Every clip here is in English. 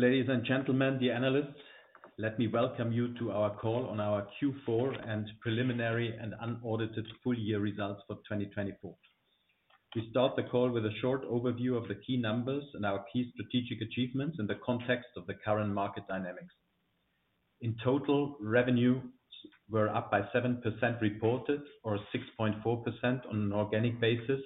Ladies and gentlemen, the analysts, let me welcome you to our call on our Q4 and preliminary and unaudited full-year results for 2024. We start the call with a short overview of the key numbers and our key strategic achievements in the context of the current market dynamics. In total, revenues were up by 7% reported, or 6.4% on an organic basis,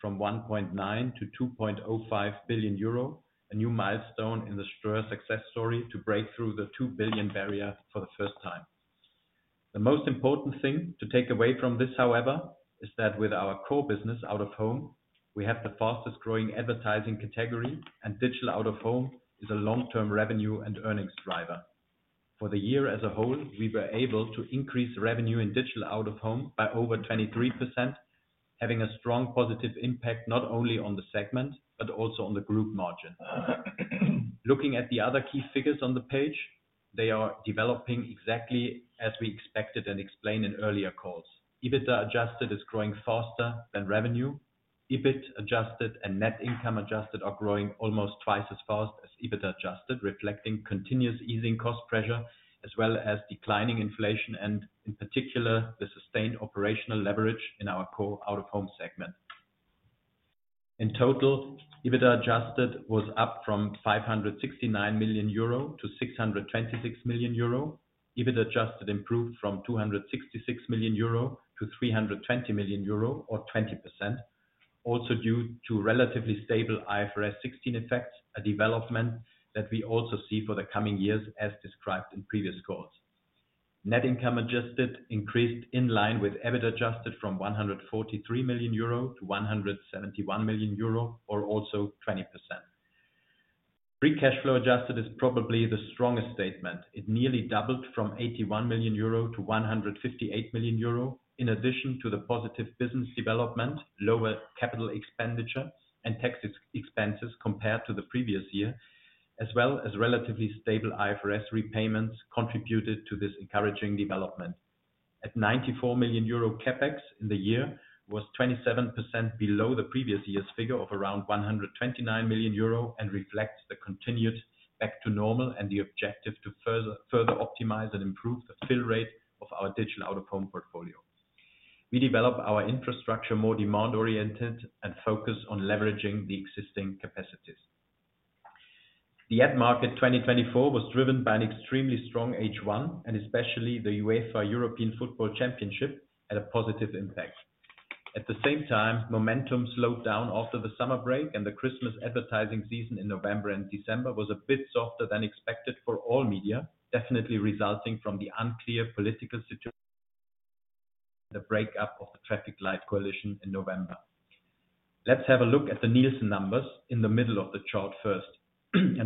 from 1.9 billion-2.05 billion euro, a new milestone in the Ströer success story to break through the 2 billion barrier for the first time. The most important thing to take away from this, however, is that with our core business Out-of-Home, we have the fastest-growing advertising category, and Digital Out-of-Home is a long-term revenue and earnings driver. For the year as a whole, we were able to increase revenue in Digital Out-of-Home by over 23%, having a strong positive impact not only on the segment but also on the group margin. Looking at the other key figures on the page, they are developing exactly as we expected and explained in earlier calls. EBITDA adjusted is growing faster than revenue. EBIT adjusted and net income adjusted are growing almost twice as fast as EBIT adjusted, reflecting continuous easing cost pressure as well as declining inflation and, in particular, the sustained operational leverage in our core Out-of-Home segment. In total, EBIT adjusted was up from 569 million-626 million euro. EBIT adjusted improved from 266 million-320 million euro, or 20%, also due to relatively stable IFRS 16 effects, a development that we also see for the coming years as described in previous calls. Net income adjusted increased in line with EBIT adjusted from 143 million-171 million euro, or also 20%. Free cash flow adjusted is probably the strongest statement. It nearly doubled from 81 million-158 million euro, in addition to the positive business development, lower capital expenditure, and tax expenses compared to the previous year, as well as relatively stable IFRS 16 repayments, contributed to this encouraging development. At 94 million euro CapEx in the year, it was 27% below the previous year's figure of around 129 million euro and reflects the continued back to normal and the objective to further optimize and improve the fill rate of our Digital Out-of-Home portfolio. We develop our Infrastructure more demand-oriented and focus on leveraging the existing capacities. The ad market 2024 was driven by an extremely strong H1, and especially the UEFA European Football Championship, had a positive impact. At the same time, momentum slowed down after the summer break, and the Christmas advertising season in November and December was a bit softer than expected for all media, definitely resulting from the unclear political situation and the breakup of the Traffic Light Coalition in November. Let's have a look at the Nielsen numbers in the middle of the chart first.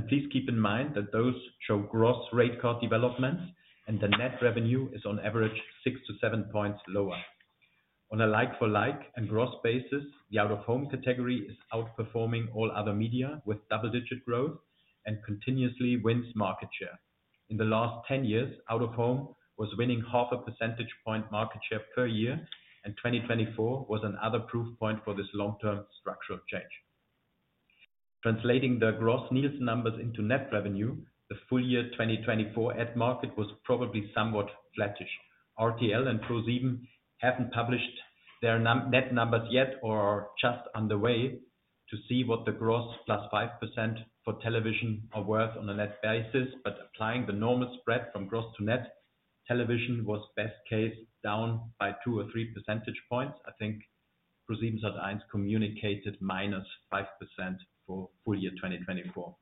Please keep in mind that those show gross rate card developments, and the net revenue is on average 6-7 points lower. On a like-for-like and gross basis, the Out-of-Home category is outperforming all other media with double-digit growth and continuously wins market share. In the last 10 years, Out-of-Home was winning half a percentage point market share per year, and 2024 was another proof point for this long-term structural change. Translating the gross Nielsen numbers into net revenue, the full-year 2024 ad market was probably somewhat flattish. RTL and ProSieben haven't published their net numbers yet or are just underway to see what the gross +5% for television are worth on a net basis, but applying the normal spread from gross to net, television was best case down by 2-3 percentage points. I think ProSiebenSat.1 communicated -5% for full-year 2024.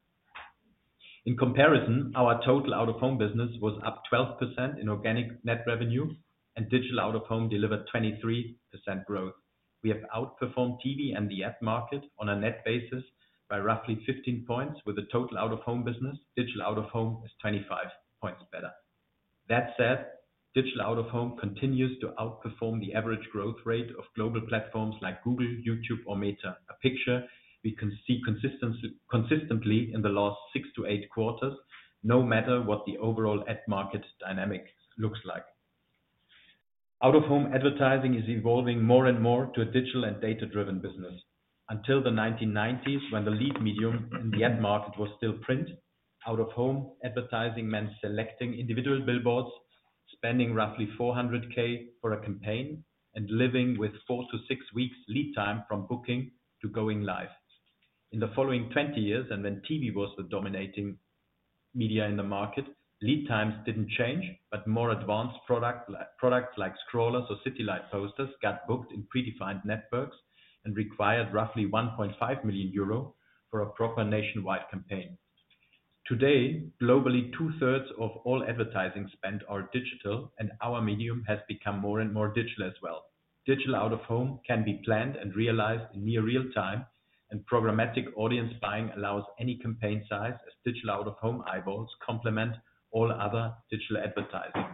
In comparison, our Total Out-of-Home Business was up 12% in organic net revenue, and Digital Out-of-Home delivered 23% growth. We have outperformed TV and the ad market on a net basis by roughly 15 points, with the total Out-of-Home business, Digital Out-of-Home, is 25 points better. That said, Digital Out-of-Home continues to outperform the average growth rate of global platforms like Google, YouTube, or Meta, a picture we can see consistently in the last 6 to 8 quarters, no matter what the overall ad market dynamic looks like. Out-of-Home advertising is evolving more and more to a digital and data-driven business. Until the 1990s, when the lead medium in the ad market was still print, Out-of-Home advertising meant selecting individual billboards, spending roughly 400,000 for a campaign, and living with four to six weeks lead time from booking to going live. In the following 20 years, and when TV was the dominating media in the market, lead times didn't change, but more advanced products like Scrollers or City Light Posters got booked in predefined networks and required roughly 1.5 million euro for a proper nationwide campaign. Today, globally, two-thirds of all advertising spend are digital, and our medium has become more and more digital as well. Digital Out-of-Home can be planned and realized in near real time, and programmatic audience buying allows any campaign size, as Digital Out-of-Home eyeballs complement all other digital advertising,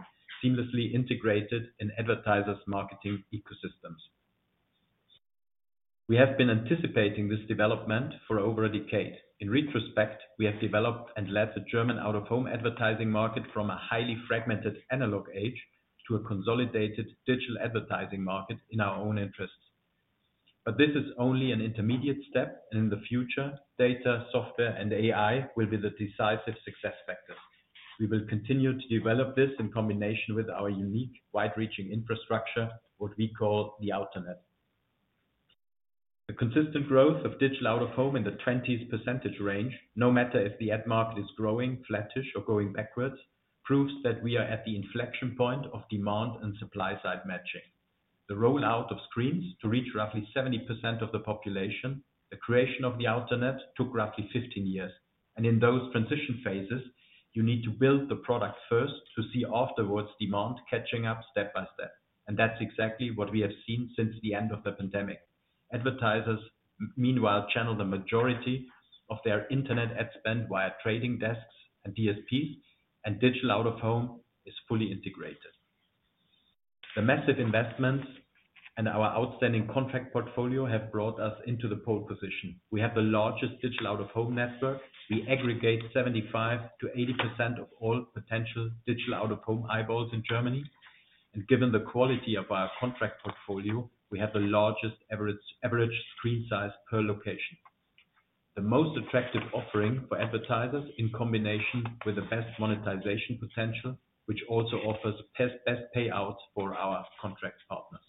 seamlessly integrated in advertisers' marketing ecosystems. We have been anticipating this development for over a decade. In retrospect, we have developed and led the German Out-of-Home advertising market from a highly fragmented analog age to a consolidated digital advertising market in our own interests. But this is only an intermediate step, and in the future, data, software, and AI will be the decisive success factors. We will continue to develop this in combination with our unique, wide-reaching infrastructure, what we call the Outernet. The consistent growth of Digital Out-of-Home in the 20s% range, no matter if the ad market is growing, flattish, or going backwards, proves that we are at the inflection point of demand and supply-side matching. The rollout of screens to reach roughly 70% of the population, the creation of the Outernet took roughly 15 years. In those transition phases, you need to build the product first to see afterwards demand catching up step by step. That's exactly what we have seen since the end of the pandemic. Advertisers, meanwhile, channel the majority of their internet ad spend via trading desks and DSPs, and Digital Out-of-Home is fully integrated. The massive investments and our outstanding contract portfolio have brought us into the pole position. We have the largest Digital Out-of-Home network. We aggregate 75%-80% of all potential Digital Out-of-Home eyeballs in Germany. Given the quality of our contract portfolio, we have the largest average screen size per location. The most attractive offering for advertisers in combination with the best monetization potential, which also offers best payouts for our contract partners.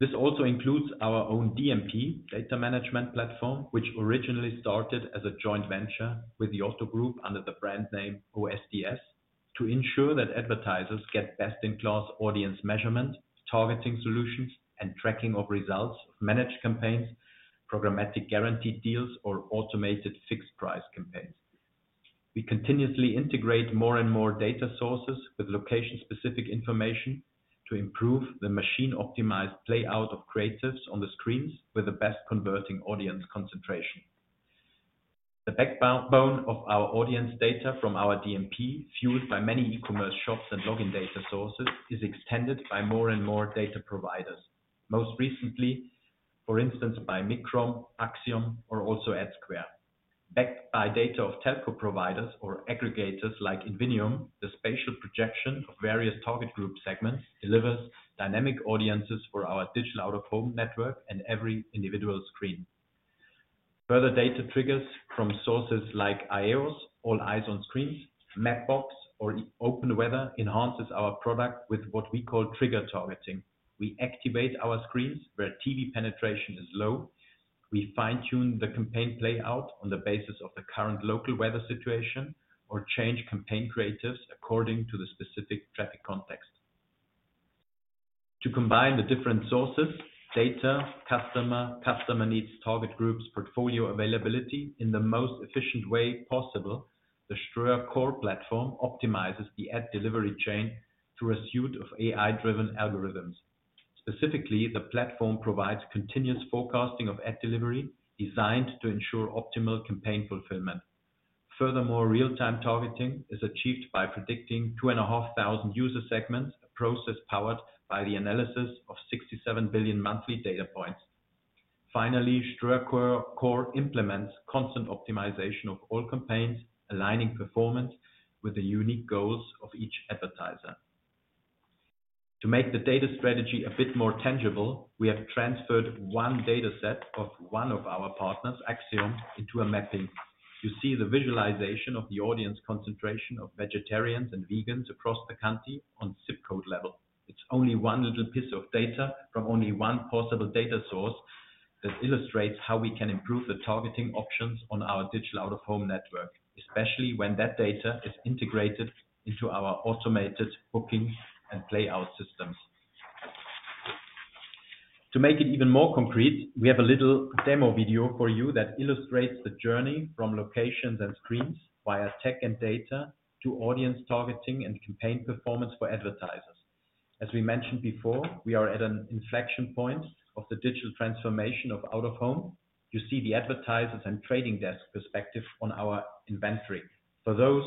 This also includes our own DMP, Data Management Platform, which originally started as a joint venture with the Otto Group under the brand name OSDS, to ensure that advertisers get best-in-class audience measurement, targeting solutions, and tracking of results of managed campaigns, Programmatic Guaranteed deals, or automated fixed-price campaigns. We continuously integrate more and more data sources with location-specific information to improve the machine-optimized playout of creatives on the screens with the best converting audience concentration. The backbone of our audience data from our DMP, fueled by many e-commerce shops and login data sources, is extended by more and more data providers, most recently, for instance, by Microm, Acxiom, or also Adsquare. Backed by data of telco providers or aggregators like Invenium, the spatial projection of various target group segments delivers dynamic audiences for our Digital Out-of-Home network and every individual screen. Further data triggers from sources like AEOS, All Eyes on Screens, Mapbox, or OpenWeather enhances our product with what we call trigger targeting. We activate our screens where TV penetration is low. We fine-tune the campaign playout on the basis of the current local weather situation or change campaign creatives according to the specific traffic context. To combine the different sources: data, customer, customer needs, target groups, portfolio availability in the most efficient way possible, the Ströer Core platform optimizes the ad delivery chain through a suite of AI-driven algorithms. Specifically, the platform provides continuous forecasting of ad delivery designed to ensure optimal campaign fulfillment. Furthermore, real-time targeting is achieved by predicting 2,500 user segments, a process powered by the analysis of 67 billion monthly data points. Finally, Ströer Core implements constant optimization of all campaigns, aligning performance with the unique goals of each advertiser. To make the data strategy a bit more tangible, we have transferred one data set of one of our partners, Acxiom, into a mapping. You see the visualization of the audience concentration of vegetarians and vegans across the country on zip code level. It's only one little piece of data from only one possible data source that illustrates how we can improve the targeting options on our Digital Out-of-Home network, especially when that data is integrated into our automated booking and playout systems. To make it even more concrete, we have a little demo video for you that illustrates the journey from locations and screens via tech and data to audience targeting and campaign performance for advertisers. As we mentioned before, we are at an inflection point of the digital transformation of Out-of-Home. You see the advertisers' and trading desk perspective on our inventory. For those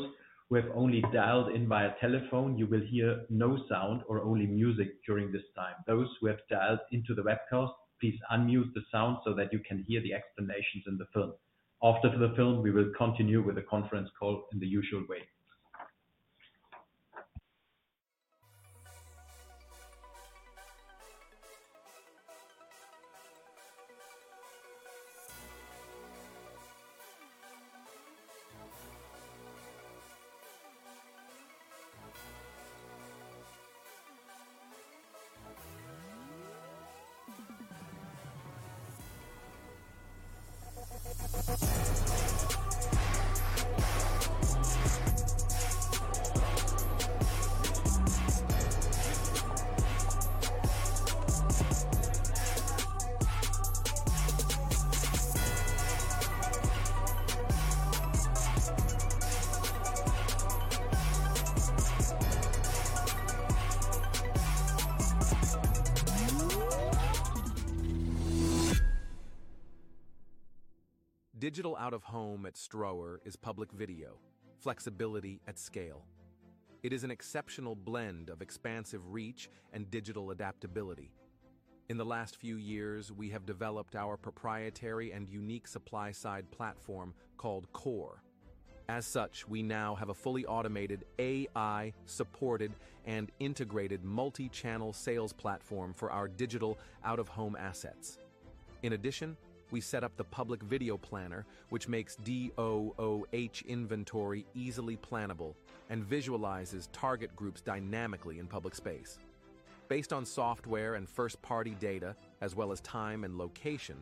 who have only dialed in via telephone, you will hear no sound or only music during this time. Those who have dialed into the webcast, please unmute the sound so that you can hear the explanations in the film. After the film, we will continue with the conference call in the usual way. Digital Out-of-Home at Ströer is Public Video, flexibility at scale. It is an exceptional blend of expansive reach and digital adaptability. In the last few years, we have developed our proprietary and unique supply-side platform called Core. As such, we now have a fully automated, AI-supported, and integrated multi-channel sales platform for our Digital Out-of-Home assets. In addition, we set up the Public Video Planner, which makes DOOH inventory easily plannable and visualizes target groups dynamically in public space. Based on software and first-party data, as well as time and location,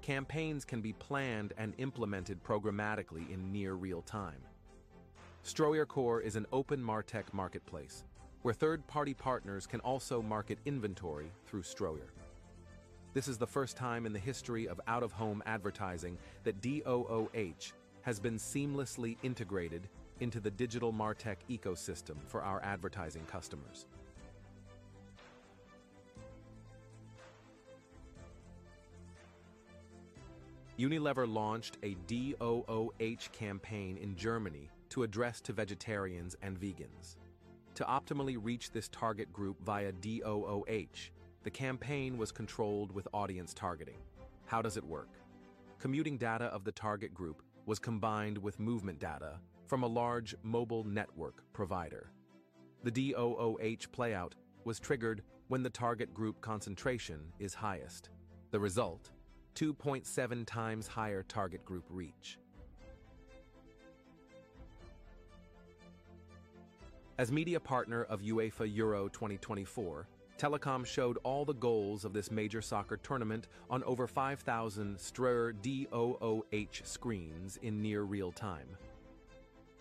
campaigns can be planned and implemented programmatically in near real time. Ströer Core is an open MarTech marketplace where third-party partners can also market inventory through Ströer. This is the first time in the history of Out-of-Home advertising that DOOH has been seamlessly integrated into the digital MarTech ecosystem for our advertising customers. Unilever launched a DOOH campaign in Germany to address vegetarians and vegans. To optimally reach this target group via DOOH, the campaign was controlled with audience targeting. How does it work? Commuting data of the target group was combined with movement data from a large mobile network provider. The DOOH playout was triggered when the target group concentration is highest. The result: 2.7x higher target group reach. As media partner of UEFA Euro 2024, Deutsche Telekom showed all the goals of this major soccer tournament on over 5,000 Ströer DOOH screens in near real time.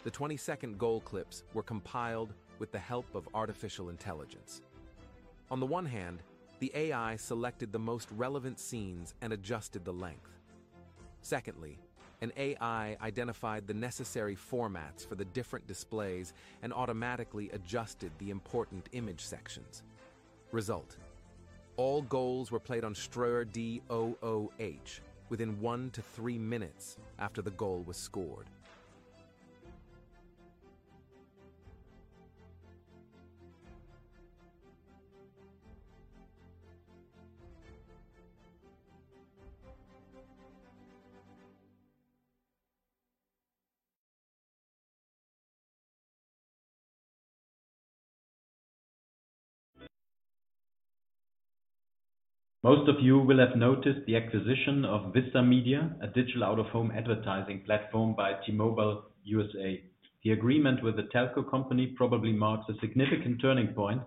The 22nd goal clips were compiled with the help of artificial intelligence. On the one hand, the AI selected the most relevant scenes and adjusted the length. Secondly, an AI identified the necessary formats for the different displays and automatically adjusted the important image sections. Result: all goals were played on Ströer DOOH within one to three minutes after the goal was scored. Most of you will have noticed the acquisition of Vistar Media, a Digital Out-of-Home advertising platform by T-Mobile USA. The agreement with the telco company probably marks a significant turning point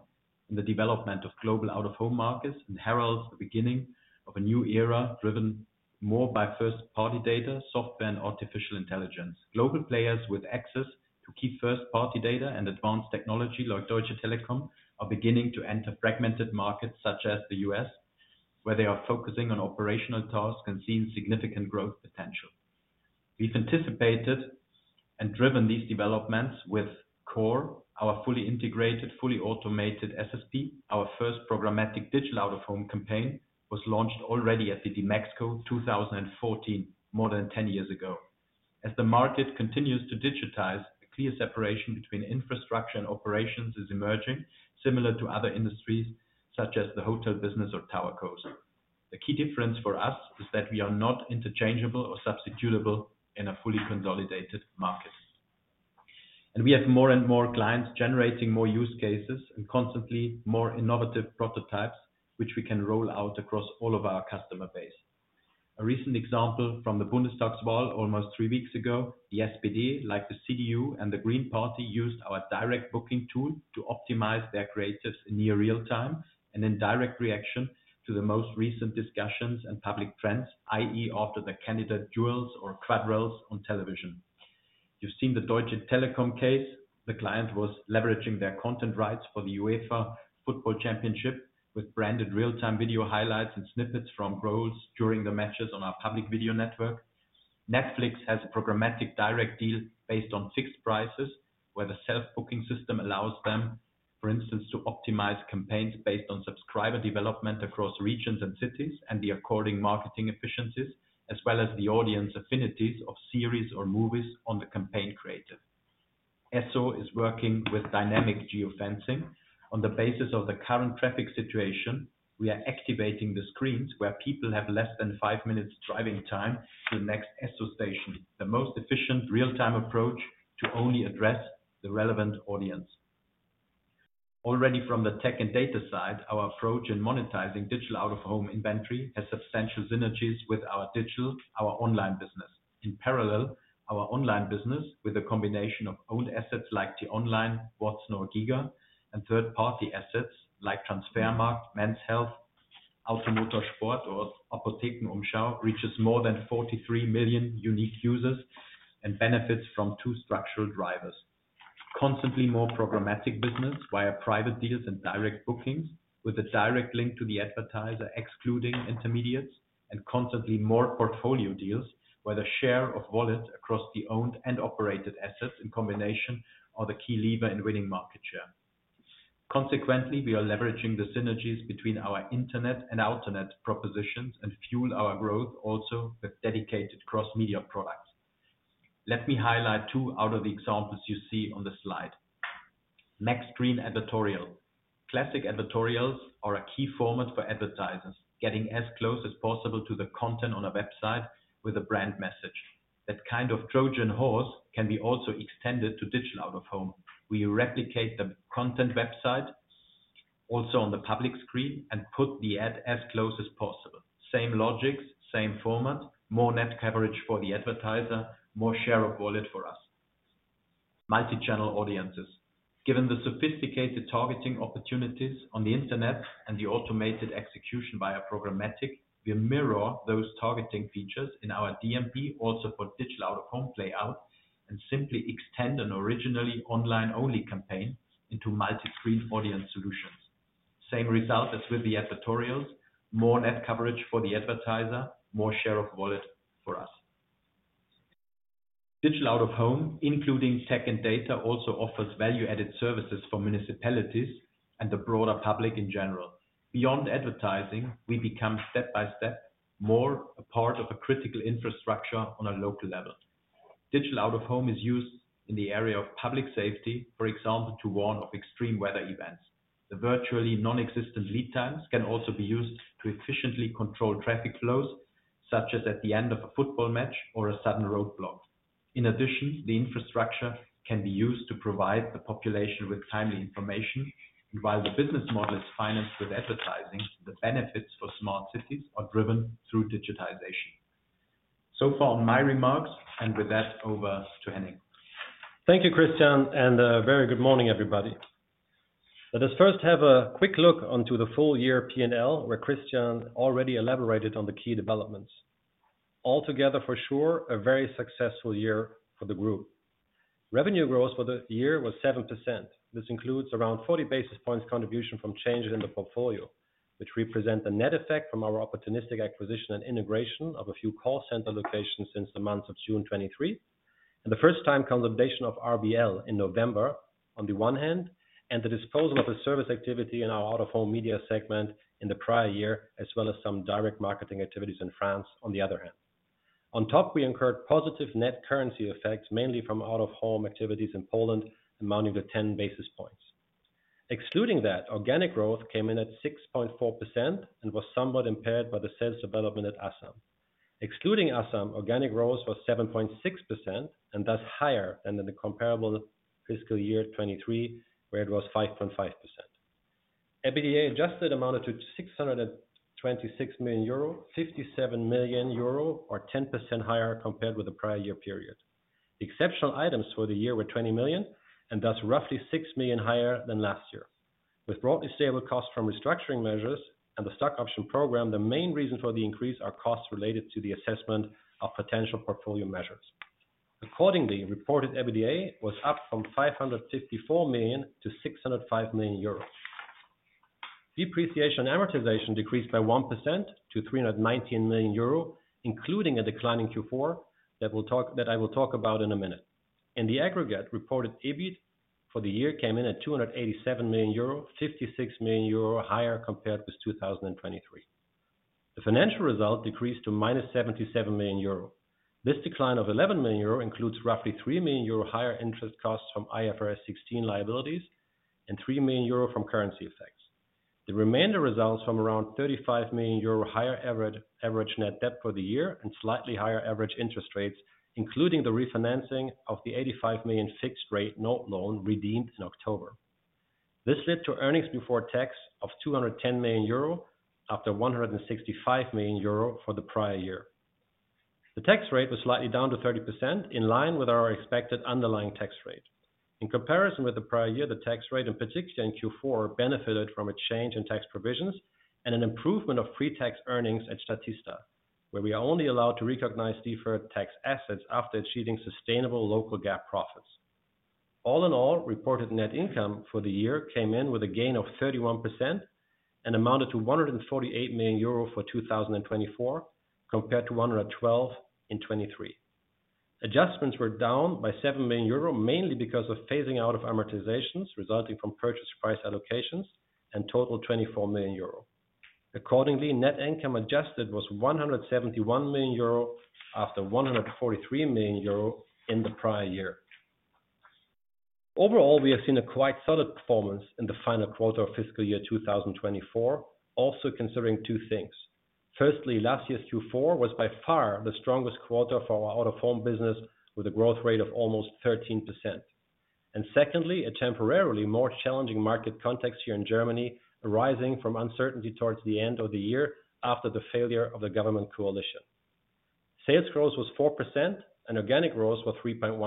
in the development of global Out-of-Home markets and heralds the beginning of a new era driven more by first-party data, software, and artificial intelligence. Global players with access to key first-party data and advanced technology, like Deutsche Telekom, are beginning to enter fragmented markets such as the U.S., where they are focusing on operational tasks and seeing significant growth potential. We've anticipated and driven these developments with Core, our fully integrated, fully automated SSP. Our first programmatic Digital Out-of-Home campaign was launched already at the DMEXCO 2014, more than 10 years ago. As the market continues to digitize, a clear separation between infrastructure and operations is emerging, similar to other industries such as the hotel business or TowerCos. The key difference for us is that we are not interchangeable or substitutable in a fully consolidated market, and we have more and more clients generating more use cases and constantly more innovative prototypes, which we can roll out across all of our customer base. A recent example from the Bundestagswahl almost three weeks ago: the SPD, like the CDU and the Green Party, used our direct booking tool to optimize their creatives in near real time and in direct reaction to the most recent discussions and public trends, i.e., after the candidate duels or quarrels on television. You've seen the Deutsche Telekom case. The client was leveraging their content rights for the UEFA Football Championship with branded real-time video highlights and snippets from goals during the matches on our Public Video network. Netflix has a Programmatic Direct deal based on fixed prices, where the self-booking system allows them, for instance, to optimize campaigns based on subscriber development across regions and cities and the corresponding marketing efficiencies, as well as the audience affinities of series or movies on the campaign creative. Esso is working with dynamic geofencing. On the basis of the current traffic situation, we are activating the screens where people have less than five minutes driving time to the next Esso station. The most efficient real-time approach to only address the relevant audience. Already from the tech and data side, our approach in monetizing Digital Out-of-Home inventory has substantial synergies with our digital, our online business. In parallel, our online business, with a combination of owned assets like T-Online, watson.de, and third-party assets like Transfermarkt, Men's Health, Auto Motor und Sport, or Apotheken Umschau, reaches more than 43 million unique users and benefits from two structural drivers: constantly more programmatic business via private deals and direct bookings with a direct link to the advertiser, excluding intermediates, and constantly more portfolio deals where the share of wallet across the owned and operated assets in combination are the key lever in winning market share. Consequently, we are leveraging the synergies between our Internet and alternate propositions and fuel our growth also with dedicated cross-media products. Let me highlight two out of the examples you see on the slide: MaxScreen Advertorial. Classic advertorials are a key format for advertisers, getting as close as possible to the content on a website with a brand message. That kind of Trojan horse can be also extended to Digital Out-of-Home. We replicate the content website also on the public screen and put the ad as close as possible. Same logics, same format, more net coverage for the advertiser, more share of wallet for us. Multi-channel audiences. Given the sophisticated targeting opportunities on the internet and the automated execution via programmatic, we mirror those targeting features in our DMP also for Digital Out-of-Home playout and simply extend an originally online-only campaign into multi-screen audience solutions. Same result as with the advertorials: more net coverage for the advertiser, more share of wallet for us. Digital Out-of-Home, including tech and data, also offers value-added services for municipalities and the broader public in general. Beyond advertising, we become step by step more a part of a critical infrastructure on a local level. Digital Out-of-Home is used in the area of public safety, for example, to warn of extreme weather events. The virtually non-existent lead times can also be used to efficiently control traffic flows, such as at the end of a football match or a sudden roadblock. In addition, the infrastructure can be used to provide the population with timely information. And while the business model is financed with advertising, the benefits for smart cities are driven through digitization. So far on my remarks, and with that, over to Henning. Thank you, Christian, and a very good morning, everybody. Let us first have a quick look onto the full year P&L, where Christian already elaborated on the key developments. Altogether, for sure, a very successful year for the group. Revenue growth for the year was 7%. This includes around 40 basis points contribution from changes in the portfolio, which represent the net effect from our opportunistic acquisition and integration of a few call center locations since the month of June 2023, and the first-time consolidation of RBL in November, on the one hand, and the disposal of the service activity in our Out-of-Home media segment in the prior year, as well as some direct marketing activities in France, on the other hand. On top, we incurred positive net currency effects, mainly from Out-of-Home activities in Poland, amounting to 10 basis points. Excluding that, organic growth came in at 6.4% and was somewhat impaired by the sales development at Asam. Excluding Asam, organic growth was 7.6% and thus higher than in the comparable fiscal year 2023, where it was 5.5%. EBITDA adjusted amounted to 626 million euro, 57 million euro, or 10% higher compared with the prior year period. Exceptional items for the year were 20 million and thus roughly 6 million higher than last year. With broadly stable costs from restructuring measures and the stock option program, the main reason for the increase are costs related to the assessment of potential portfolio measures. Accordingly, reported EBITDA was up from 554 million-605 million euros. Depreciation amortization decreased by 1% to 319 million euro, including a declining Q4 that I will talk about in a minute. In the aggregate, reported EBIT for the year came in at 287 million euro, 56 million euro higher compared with 2023. The financial result decreased to -77 million euro. This decline of 11 million euro includes roughly 3 million euro higher interest costs from IFRS 16 liabilities and 3 million euro from currency effects. The remainder results from around 35 million euro higher average net debt for the year and slightly higher average interest rates, including the refinancing of the 85 million fixed-rate note loan redeemed in October. This led to earnings before tax of 210 million euro after 165 million euro for the prior year. The tax rate was slightly down to 30%, in line with our expected underlying tax rate. In comparison with the prior year, the tax rate, in particular in Q4, benefited from a change in tax provisions and an improvement of pre-tax earnings at Statista, where we are only allowed to recognize deferred tax assets after achieving sustainable local gap profits. All in all, reported net income for the year came in with a gain of 31% and amounted to 148 million euro for 2024, compared to 112 million in 2023. Adjustments were down by 7 million euro, mainly because of phasing out of amortizations resulting from purchase price allocations and total 24 million euro. Accordingly, net income adjusted was 171 million euro after 143 million euro in the prior year. Overall, we have seen a quite solid performance in the final quarter of fiscal year 2024, also considering two things. Firstly, last year's Q4 was by far the strongest quarter for our Out-of-Home business, with a growth rate of almost 13%. And secondly, a temporarily more challenging market context here in Germany, arising from uncertainty towards the end of the year after the failure of the government coalition. Sales growth was 4% and organic growth was 3.1%.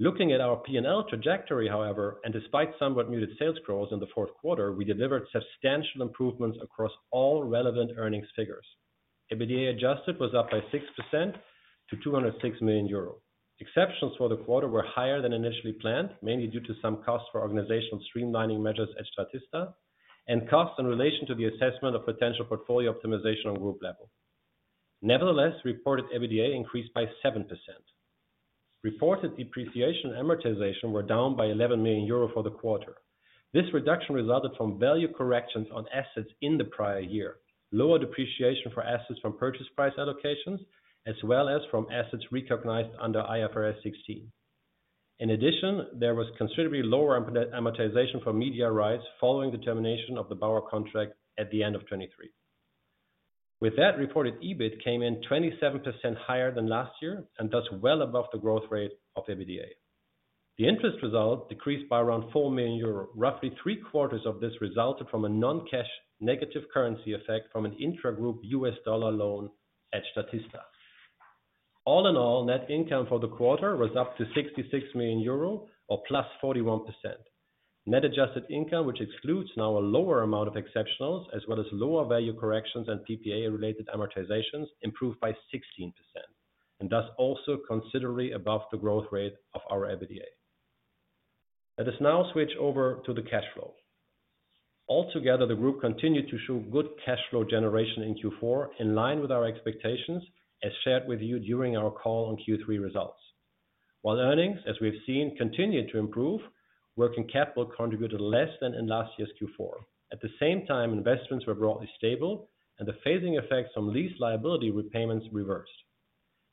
Looking at our P&L trajectory, however, and despite somewhat muted sales growth in the fourth quarter, we delivered substantial improvements across all relevant earnings figures. EBITDA adjusted was up by 6% to 206 million euros. Expenses for the quarter were higher than initially planned, mainly due to some costs for organizational streamlining measures at Statista and costs in relation to the assessment of potential portfolio optimization on group level. Nevertheless, reported EBITDA increased by 7%. Reported depreciation and amortization were down by 11 million euro for the quarter. This reduction resulted from value corrections on assets in the prior year, lower depreciation for assets from purchase price allocations, as well as from assets recognized under IFRS 16. In addition, there was considerably lower amortization for media rights following the termination of the Bauer contract at the end of 2023. With that, reported EBIT came in 27% higher than last year and thus well above the growth rate of EBITDA. The interest result decreased by around 4 million euro. Roughly three quarters of this resulted from a non-cash negative currency effect from an intragroup US dollar loan at Statista. All in all, net income for the quarter was up to 66 million euro or +41%. Net adjusted income, which excludes now a lower amount of exceptionals, as well as lower value corrections and PPA-related amortizations, improved by 16% and thus also considerably above the growth rate of our EBITDA. Let us now switch over to the cash flow. Altogether, the group continued to show good cash flow generation in Q4, in line with our expectations, as shared with you during our call on Q3 results. While earnings, as we've seen, continued to improve, working capital contributed less than in last year's Q4. At the same time, investments were broadly stable, and the phasing effects from lease liability repayments reversed.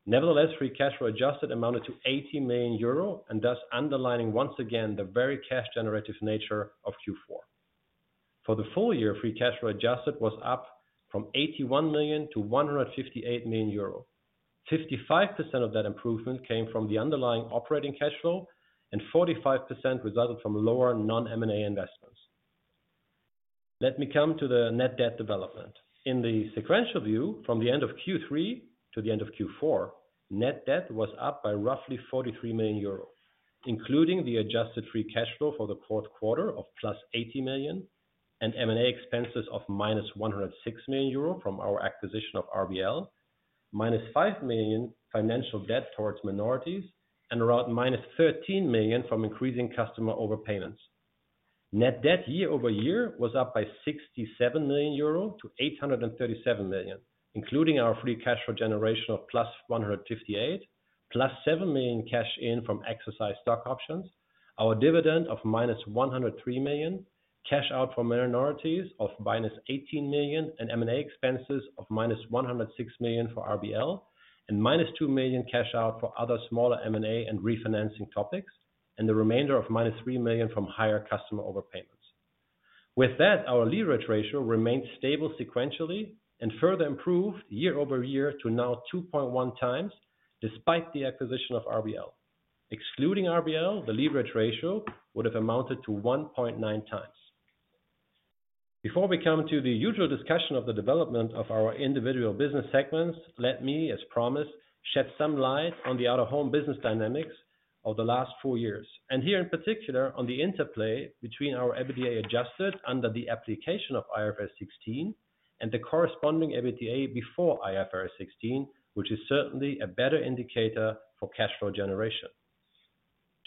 Nevertheless, free cash flow adjusted amounted to 80 million euro and thus underlining once again the very cash-generative nature of Q4. For the full year, free cash flow adjusted was up from 81 million-158 million euro. 55% of that improvement came from the underlying operating cash flow, and 45% resulted from lower non-M&A investments. Let me come to the net debt development. In the sequential view, from the end of Q3 to the end of Q4, net debt was up by roughly 43 million euro, including the adjusted free cash flow for the fourth quarter of +80 million and M&A expenses of +106 million euro from our acquisition of RBL, -5 million financial debt towards minorities, and around -13 million from increasing customer overpayments. Net debt year-over-year was up by 67 million-837 million euro, including our free cash flow generation of +158 million, +7 million cash in from exercised stock options, our dividend of -103 million, cash out for minorities of -18 million, and M&A expenses of -106 million for RBL, and -2 million cash out for other smaller M&A and refinancing topics, and the remainder of -3 million from higher customer overpayments. With that, our leverage ratio remained stable sequentially and further improved year-over-year to now 2.1 x, despite the acquisition of RBL. Excluding RBL, the leverage ratio would have amounted to 1.9x. Before we come to the usual discussion of the development of our individual business segments, let me, as promised, shed some light on the Out-of-Home business dynamics of the last four years, and here in particular on the interplay between our EBITDA adjusted under the application of IFRS 16 and the corresponding EBITDA before IFRS 16, which is certainly a better indicator for cash flow generation.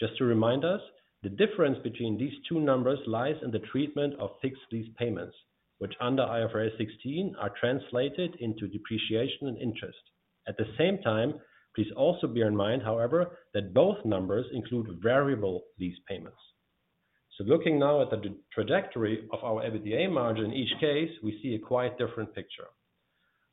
Just to remind us, the difference between these two numbers lies in the treatment of fixed lease payments, which under IFRS 16 are translated into depreciation and interest. At the same time, please also bear in mind, however, that both numbers include variable lease payments. So looking now at the trajectory of our EBITDA margin in each case, we see a quite different picture.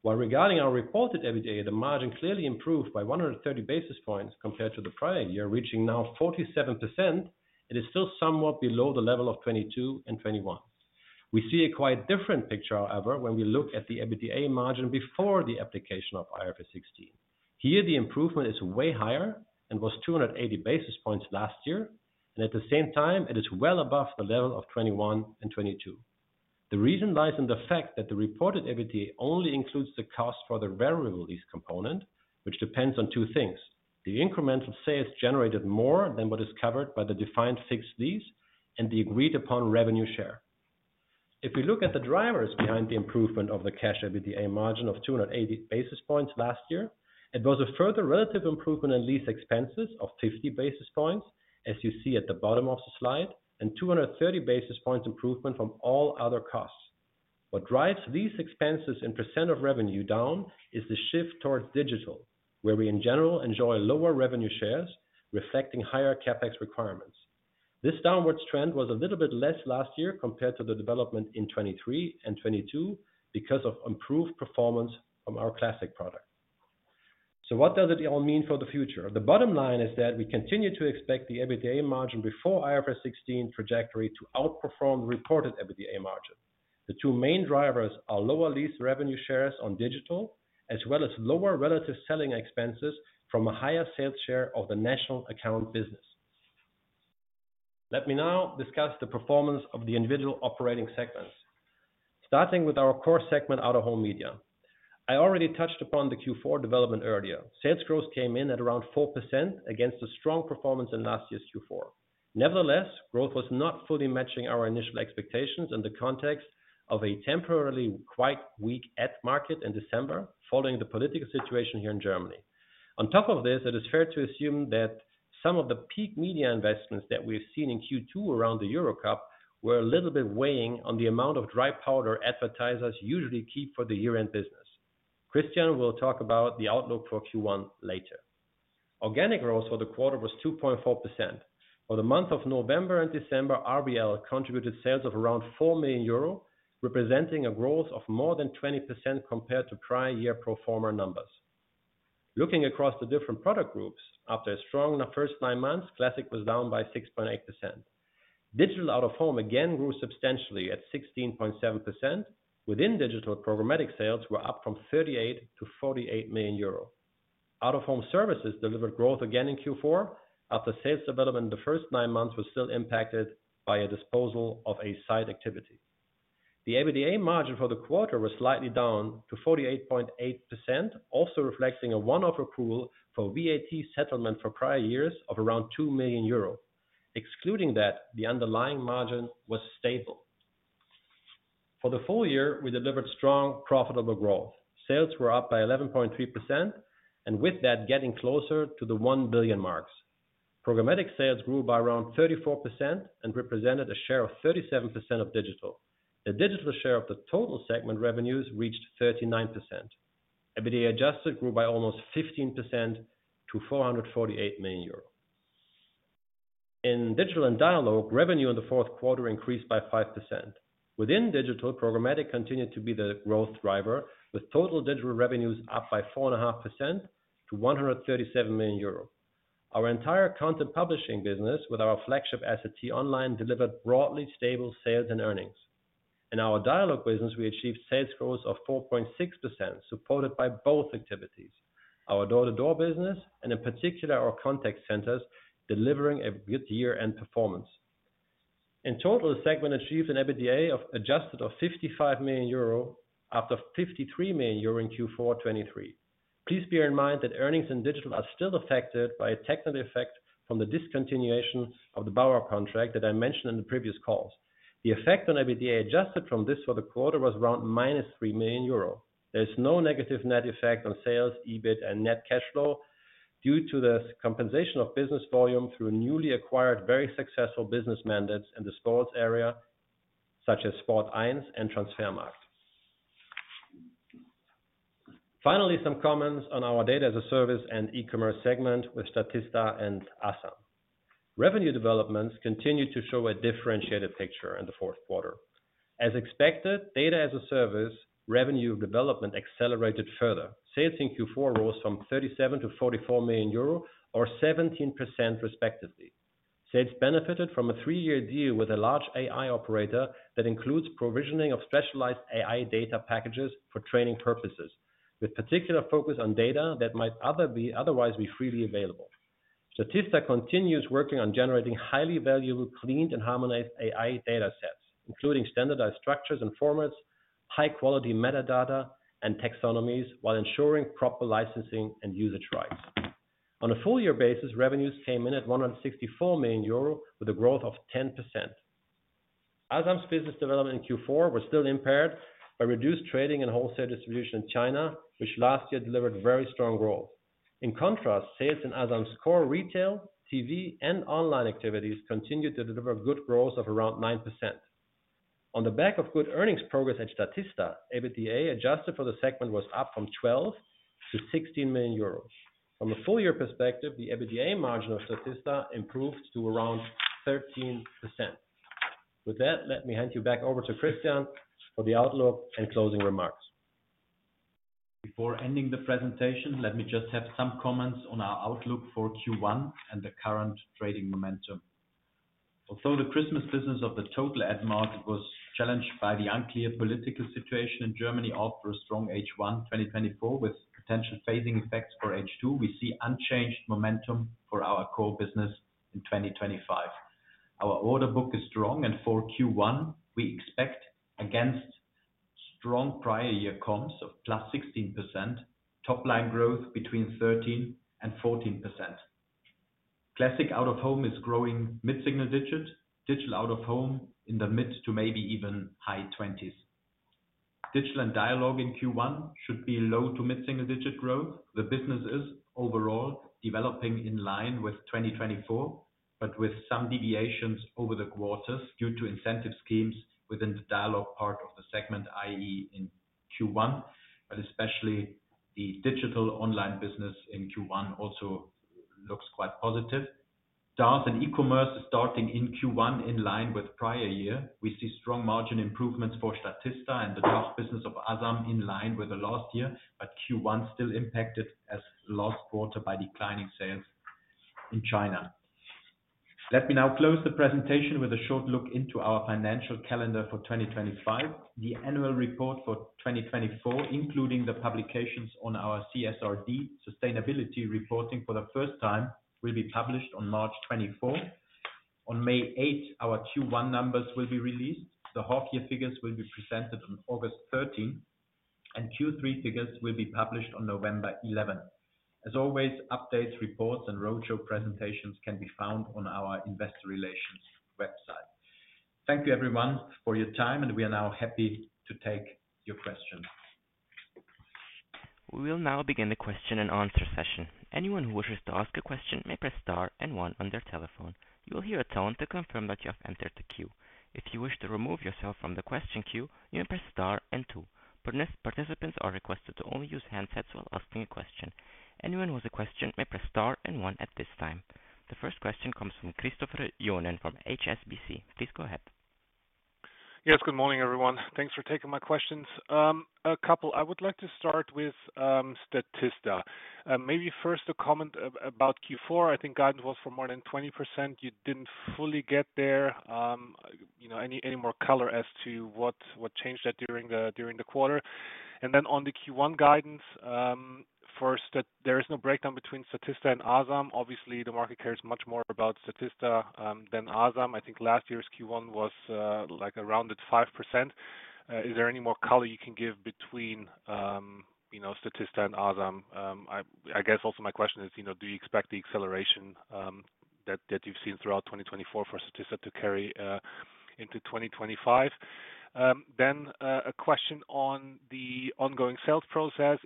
While regarding our reported EBITDA, the margin clearly improved by 130 basis points compared to the prior year, reaching now 47%, it is still somewhat below the level of 2022 and 2021. We see a quite different picture, however, when we look at the EBITDA margin before the application of IFRS 16. Here, the improvement is way higher and was 280 basis points last year, and at the same time, it is well above the level of 2021 and 2022. The reason lies in the fact that the reported EBITDA only includes the cost for the variable lease component, which depends on two things: the incremental sales generated more than what is covered by the defined fixed lease and the agreed-upon revenue share. If we look at the drivers behind the improvement of the cash EBITDA margin of 280 basis points last year, it was a further relative improvement in lease expenses of 50 basis points, as you see at the bottom of the slide, and 230 basis points improvement from all other costs. What drives lease expenses in precent of revenue down is the shift towards digital, where we in general enjoy lower revenue shares, reflecting higher CapEx requirements. This downward trend was a little bit less last year compared to the development in 2023 and 2022 because of improved performance from our classic product. So what does it all mean for the future? The bottom line is that we continue to expect the EBITDA margin before IFRS 16 trajectory to outperform the reported EBITDA margin. The two main drivers are lower lease revenue shares on digital, as well as lower relative selling expenses from a higher sales share of the national account business. Let me now discuss the performance of the individual operating segments, starting with our core segment, Out-of-Home Media. I already touched upon the Q4 development earlier. Sales growth came in at around 4% against a strong performance in last year's Q4. Nevertheless, growth was not fully matching our initial expectations in the context of a temporarily quite weak ad market in December, following the political situation here in Germany. On top of this, it is fair to assume that some of the peak media investments that we have seen in Q2 around the Euro Cup were a little bit weighing on the amount of dry powder advertisers usually keep for the year-end business. Christian will talk about the outlook for Q1 later. Organic growth for the quarter was 2.4%. For the month of November and December, RBL contributed sales of around 4 million euro, representing a growth of more than 20% compared to prior year pro forma numbers. Looking across the different product groups, after a strong first nine months, classic was down by 6.8%. Digital Out-of-Home again grew substantially at 16.7%. Within digital, programmatic sales were up from 38 million- 48 million euro. Out-of-Home services delivered growth again in Q4 after sales development in the first nine months was still impacted by a disposal of a side activity. The EBITDA margin for the quarter was slightly down to 48.8%, also reflecting a one-off accrual for VAT settlement for prior years of around 2 million euros. Excluding that, the underlying margin was stable. For the full year, we delivered strong, profitable growth. Sales were up by 11.3%, and with that, getting closer to the 1 billion marks. Programmatic sales grew by around 34% and represented a share of 37% of digital. The digital share of the total segment revenues reached 39%. EBITDA adjusted grew by almost 15% to 448 million euro. In digital and dialogue, revenue in the fourth quarter increased by 5%. Within digital, programmatic continued to be the growth driver, with total digital revenues up by 4.5% to 137 million euros. Our entire content publishing business, with our flagship asset, T-Online, delivered broadly stable sales and earnings. In our dialogue business, we achieved sales growth of 4.6%, supported by both activities, our door-to-door business, and in particular, our contact centers delivering a good year-end performance. In total, the segment achieved an EBITDA adjusted of 55 million euro after 53 million euro in Q4 2023. Please bear in mind that earnings in digital are still affected by a technical effect from the discontinuation of the Bauer contract that I mentioned in the previous calls. The effect on EBITDA adjusted from this for the quarter was around -3 million euro. There is no negative net effect on sales, EBIT, and net cash flow due to the compensation of business volume through newly acquired, very successful business mandates in the sports area, such as Sport1 and Transfermarkt. Finally, some comments on our data as a service and e-commerce segment with Statista and Asam. Revenue developments continued to show a differentiated picture in the fourth quarter. As expected, data as a service revenue development accelerated further. Sales in Q4 rose from 37 million-44 million euro, or 17% respectively. Sales benefited from a three-year deal with a large AI operator that includes provisioning of specialized AI data packages for training purposes, with particular focus on data that might otherwise be freely available. Statista continues working on generating highly valuable, cleaned, and harmonized AI data sets, including standardized structures and formats, high-quality metadata, and taxonomies, while ensuring proper licensing and usage rights. On a full-year basis, revenues came in at 164 million euro, with a growth of 10%. Asam's business development in Q4 was still impaired by reduced trading and wholesale distribution in China, which last year delivered very strong growth. In contrast, sales in Asam's core retail, TV, and online activities continued to deliver good growth of around 9%. On the back of good earnings progress at Statista, EBITDA adjusted for the segment was up from 12 million-16 million euros. From a full-year perspective, the EBITDA margin of Statista improved to around 13%. With that, let me hand you back over to Christian for the outlook and closing remarks. Before ending the presentation, let me just have some comments on our outlook for Q1 and the current trading momentum. Although the Christmas business of the total ad market was challenged by the unclear political situation in Germany after a strong H1 2024, with potential phasing effects for H2, we see unchanged momentum for our core business in 2025. Our order book is strong, and for Q1, we expect against strong prior year comps of +16%, top-line growth between 13% and 14%. Classic Out-of-Home is growing mid-single digit, Digital Out-of-Home in the mid to maybe even high 20s. Digital and dialogue in Q1 should be low to mid-single digit growth. The business is overall developing in line with 2024, but with some deviations over the quarters due to incentive schemes within the dialogue part of the segment, i.e., in Q1, but especially the digital online business in Q1 also looks quite positive. DAS and e-commerce are starting in Q1 in line with prior year. We see strong margin improvements for Statista and the DAS business of Asam in line with the last year, but Q1 still impacted as last quarter by declining sales in China. Let me now close the presentation with a short look into our financial calendar for 2025. The annual report for 2024, including the publications on our CSRD sustainability reporting for the first time, will be published on March 24. On May 8, our Q1 numbers will be released. The half-year figures will be presented on August 13, and Q3 figures will be published on November 11. As always, updates, reports, and roadshow presentations can be found on our investor relations website. Thank you, everyone, for your time, and we are now happy to take your questions. We will now begin the question and answer session. Anyone who wishes to ask a question may press star and one on their telephone. You will hear a tone to confirm that you have entered the queue. If you wish to remove yourself from the question queue, you may press star and two. Participants are requested to only use handsets while asking a question. Anyone with a question may press star and one at this time. The first question comes from Christopher Johnen from HSBC. Please go ahead. Yes, good morning, everyone. Thanks for taking my questions. A couple. I would like to start with Statista. Maybe first a comment about Q4. I think guidance was for more than 20%. You didn't fully get there. Any more color as to what changed that during the quarter. And then on the Q1 guidance, first, that there is no breakdown between Statista and Asam. Obviously, the market cares much more about Statista than Asam. I think last year's Q1 was like a rounded 5%. Is there any more color you can give between Statista and ASAM? I guess also my question is, do you expect the acceleration that you've seen throughout 2024 for Statista to carry into 2025? Then a question on the ongoing sales process.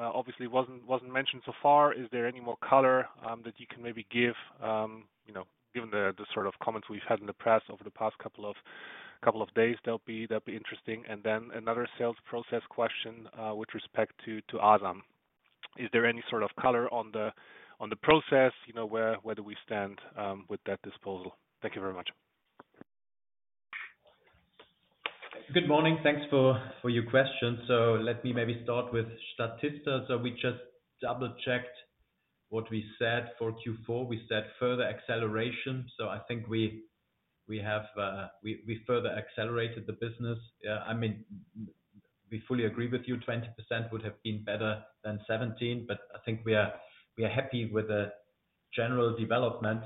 Obviously, it wasn't mentioned so far. Is there any more color that you can maybe give, given the sort of comments we've had in the press over the past couple of days? That'll be interesting, and then another sales process question with respect to Asam. Is there any sort of color on the process, where do we stand with that disposal? Thank you very much. Good morning. Thanks for your question, so let me maybe start with Statista. We just double-checked what we said for Q4. We said further acceleration, so I think we further accelerated the business. I mean, we fully agree with you. 20% would have been better than 17%, but I think we are happy with the general development.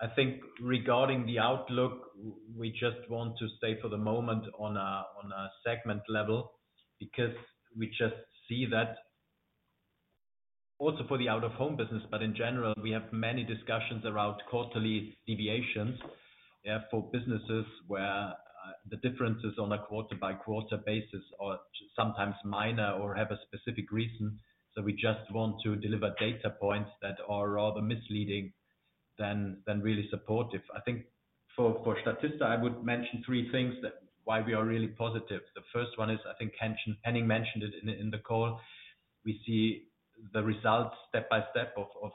I think regarding the outlook, we just want to stay for the moment on a segment level because we just see that also for the Out-of-Home business, but in general, we have many discussions around quarterly deviations for businesses where the differences on a quarter-by-quarter basis are sometimes minor or have a specific reason. So we just want to deliver data points that are rather misleading than really supportive. I think for Statista, I would mention three things that why we are really positive. The first one is, I think Henning mentioned it in the call. We see the results step by step of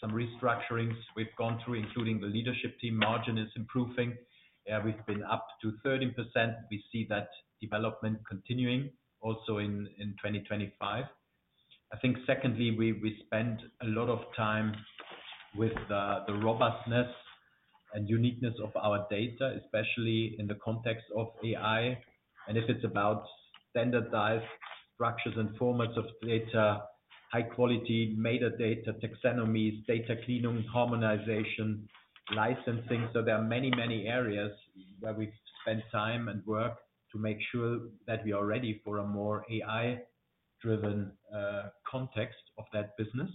some restructurings we've gone through, including the leadership team margin is improving. We've been up to 13%. We see that development continuing also in 2025. I think secondly, we spend a lot of time with the robustness and uniqueness of our data, especially in the context of AI. And if it's about standardized structures and formats of data, high-quality metadata, taxonomies, data cleaning, harmonization, licensing. So there are many, many areas where we've spent time and work to make sure that we are ready for a more AI-driven context of that business.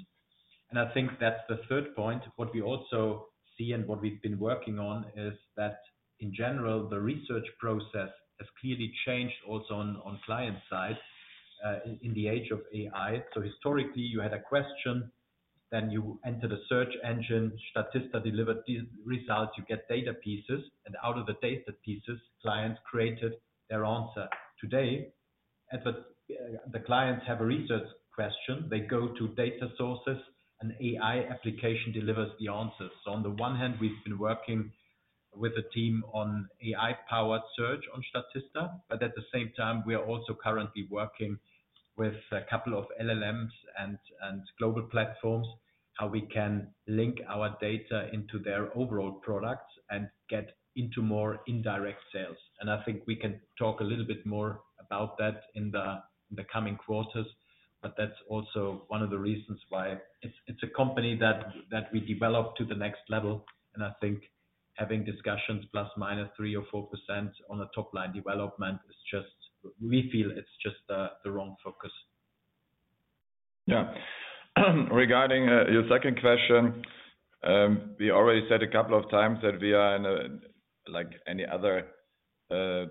And I think that's the third point. What we also see and what we've been working on is that, in general, the research process has clearly changed also on client side in the age of AI. So historically, you had a question, then you entered a search engine, Statista delivered these results. You get data pieces, and out of the data pieces, clients created their answer. Today, the clients have a research question. They go to data sources, and AI application delivers the answers. So on the one hand, we've been working with a team on AI-powered search on Statista, but at the same time, we are also currently working with a couple of LLMs and global platforms, how we can link our data into their overall products and get into more indirect sales. And I think we can talk a little bit more about that in the coming quarters, but that's also one of the reasons why it's a company that we develop to the next level. And I think having discussions +-3% or 4% on a top-line development, we feel it's just the wrong focus. Yeah. Regarding your second question, we already said a couple of times that we are, like any other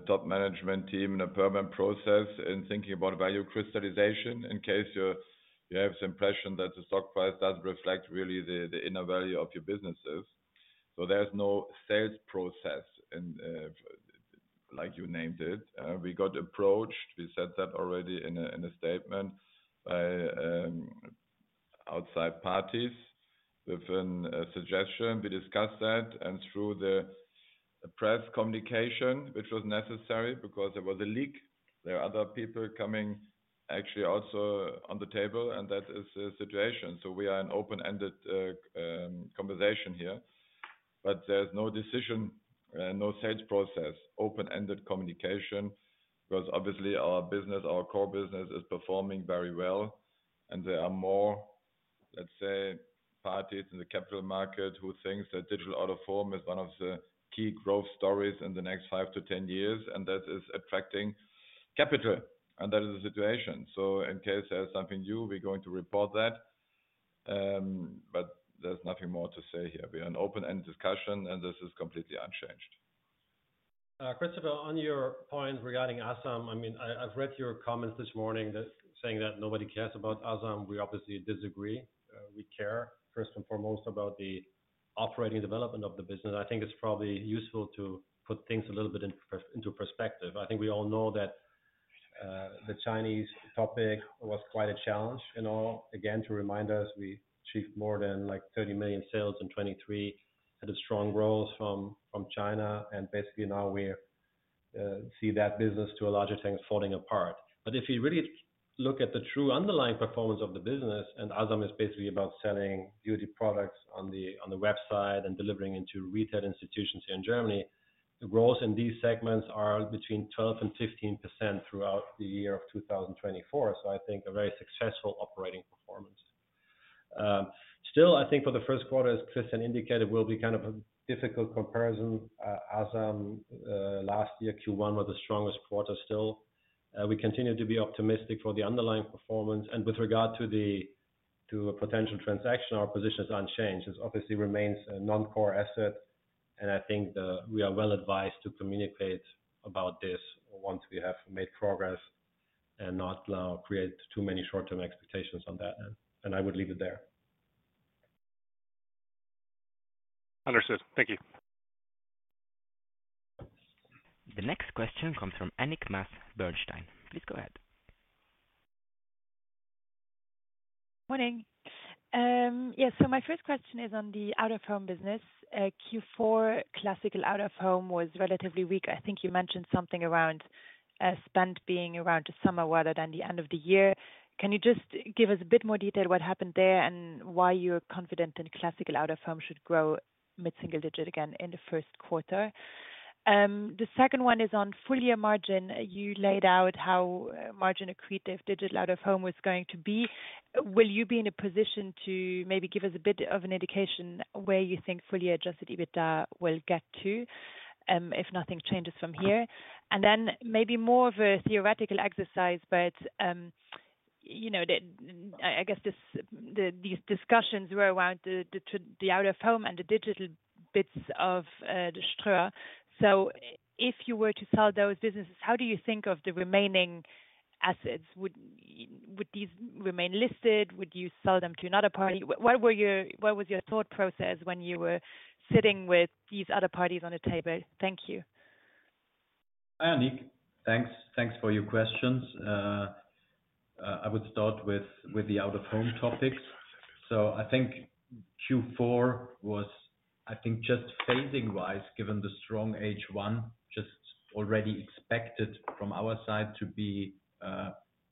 top management team, in a permanent process in thinking about value crystallization in case you have the impression that the stock price does reflect really the inner value of your businesses. So there's no sales process, like you named it. We got approached. We said that already in a statement by outside parties with a suggestion. We discussed that and through the press communication, which was necessary because there was a leak. There are other people coming actually also on the table, and that is the situation. So we are in open-ended conversation here, but there's no decision, no sales process, open-ended communication because obviously our business, our core business is performing very well. There are more, let's say, parties in the capital market who think that Digital Out-of-Home is one of the key growth stories in the next 5 to 10 years, and that is attracting capital. And that is the situation. In case there's something new, we're going to report that. But there's nothing more to say here. We are in open-ended discussion, and this is completely unchanged. Christopher, on your points regarding Asam, I mean, I've read your comments this morning saying that nobody cares about Asam. We obviously disagree. We care, first and foremost, about the operating development of the business. I think it's probably useful to put things a little bit into perspective. I think we all know that the Chinese topic was quite a challenge. Again, to remind us, we achieved more than like 30 million sales in 2023, had a strong growth from China, and basically now we see that business to a larger thing falling apart, but if you really look at the true underlying performance of the business, and Asam is basically about selling beauty products on the website and delivering into retail institutions here in Germany, the growth in these segments are between 12% and 15% throughout the year of 2024, so I think a very successful operating performance. Still, I think for the first quarter, as Christian indicated, will be kind of a difficult comparison. Asam last year, Q1 was the strongest quarter still. We continue to be optimistic for the underlying performance, and with regard to a potential transaction, our position is unchanged. It obviously remains a non-core asset, and I think we are well advised to communicate about this once we have made progress and not create too many short-term expectations on that end. And I would leave it there. Understood. Thank you. The next question comes from Annick Maas Bernstein. Please go ahead. Morning. Yes, so my first question is on the Out-of-Home business. Q4 classical Out-of-Home was relatively weak. I think you mentioned something around spent being around the summer rather than the end of the year. Can you just give us a bit more detail what happened there and why you're confident in classical Out-of-Home should grow mid-single digit again in the first quarter? The second one is on full-year margin. You laid out how margin accretive Digital Out-of-Home was going to be. Will you be in a position to maybe give us a bit of an indication where you think fully adjusted EBITDA will get to if nothing changes from here? And then maybe more of a theoretical exercise, but I guess these discussions were around the Out-of-Home and the digital bits of the Ströer. So if you were to sell those businesses, how do you think of the remaining assets? Would these remain listed? Would you sell them to another party? What was your thought process when you were sitting with these other parties on the table? Thank you. Hi, Annick. Thanks for your questions. I would start with the Out-of-Home topics. So I think Q4 was, I think, just phasing-wise, given the strong H1, just already expected from our side to be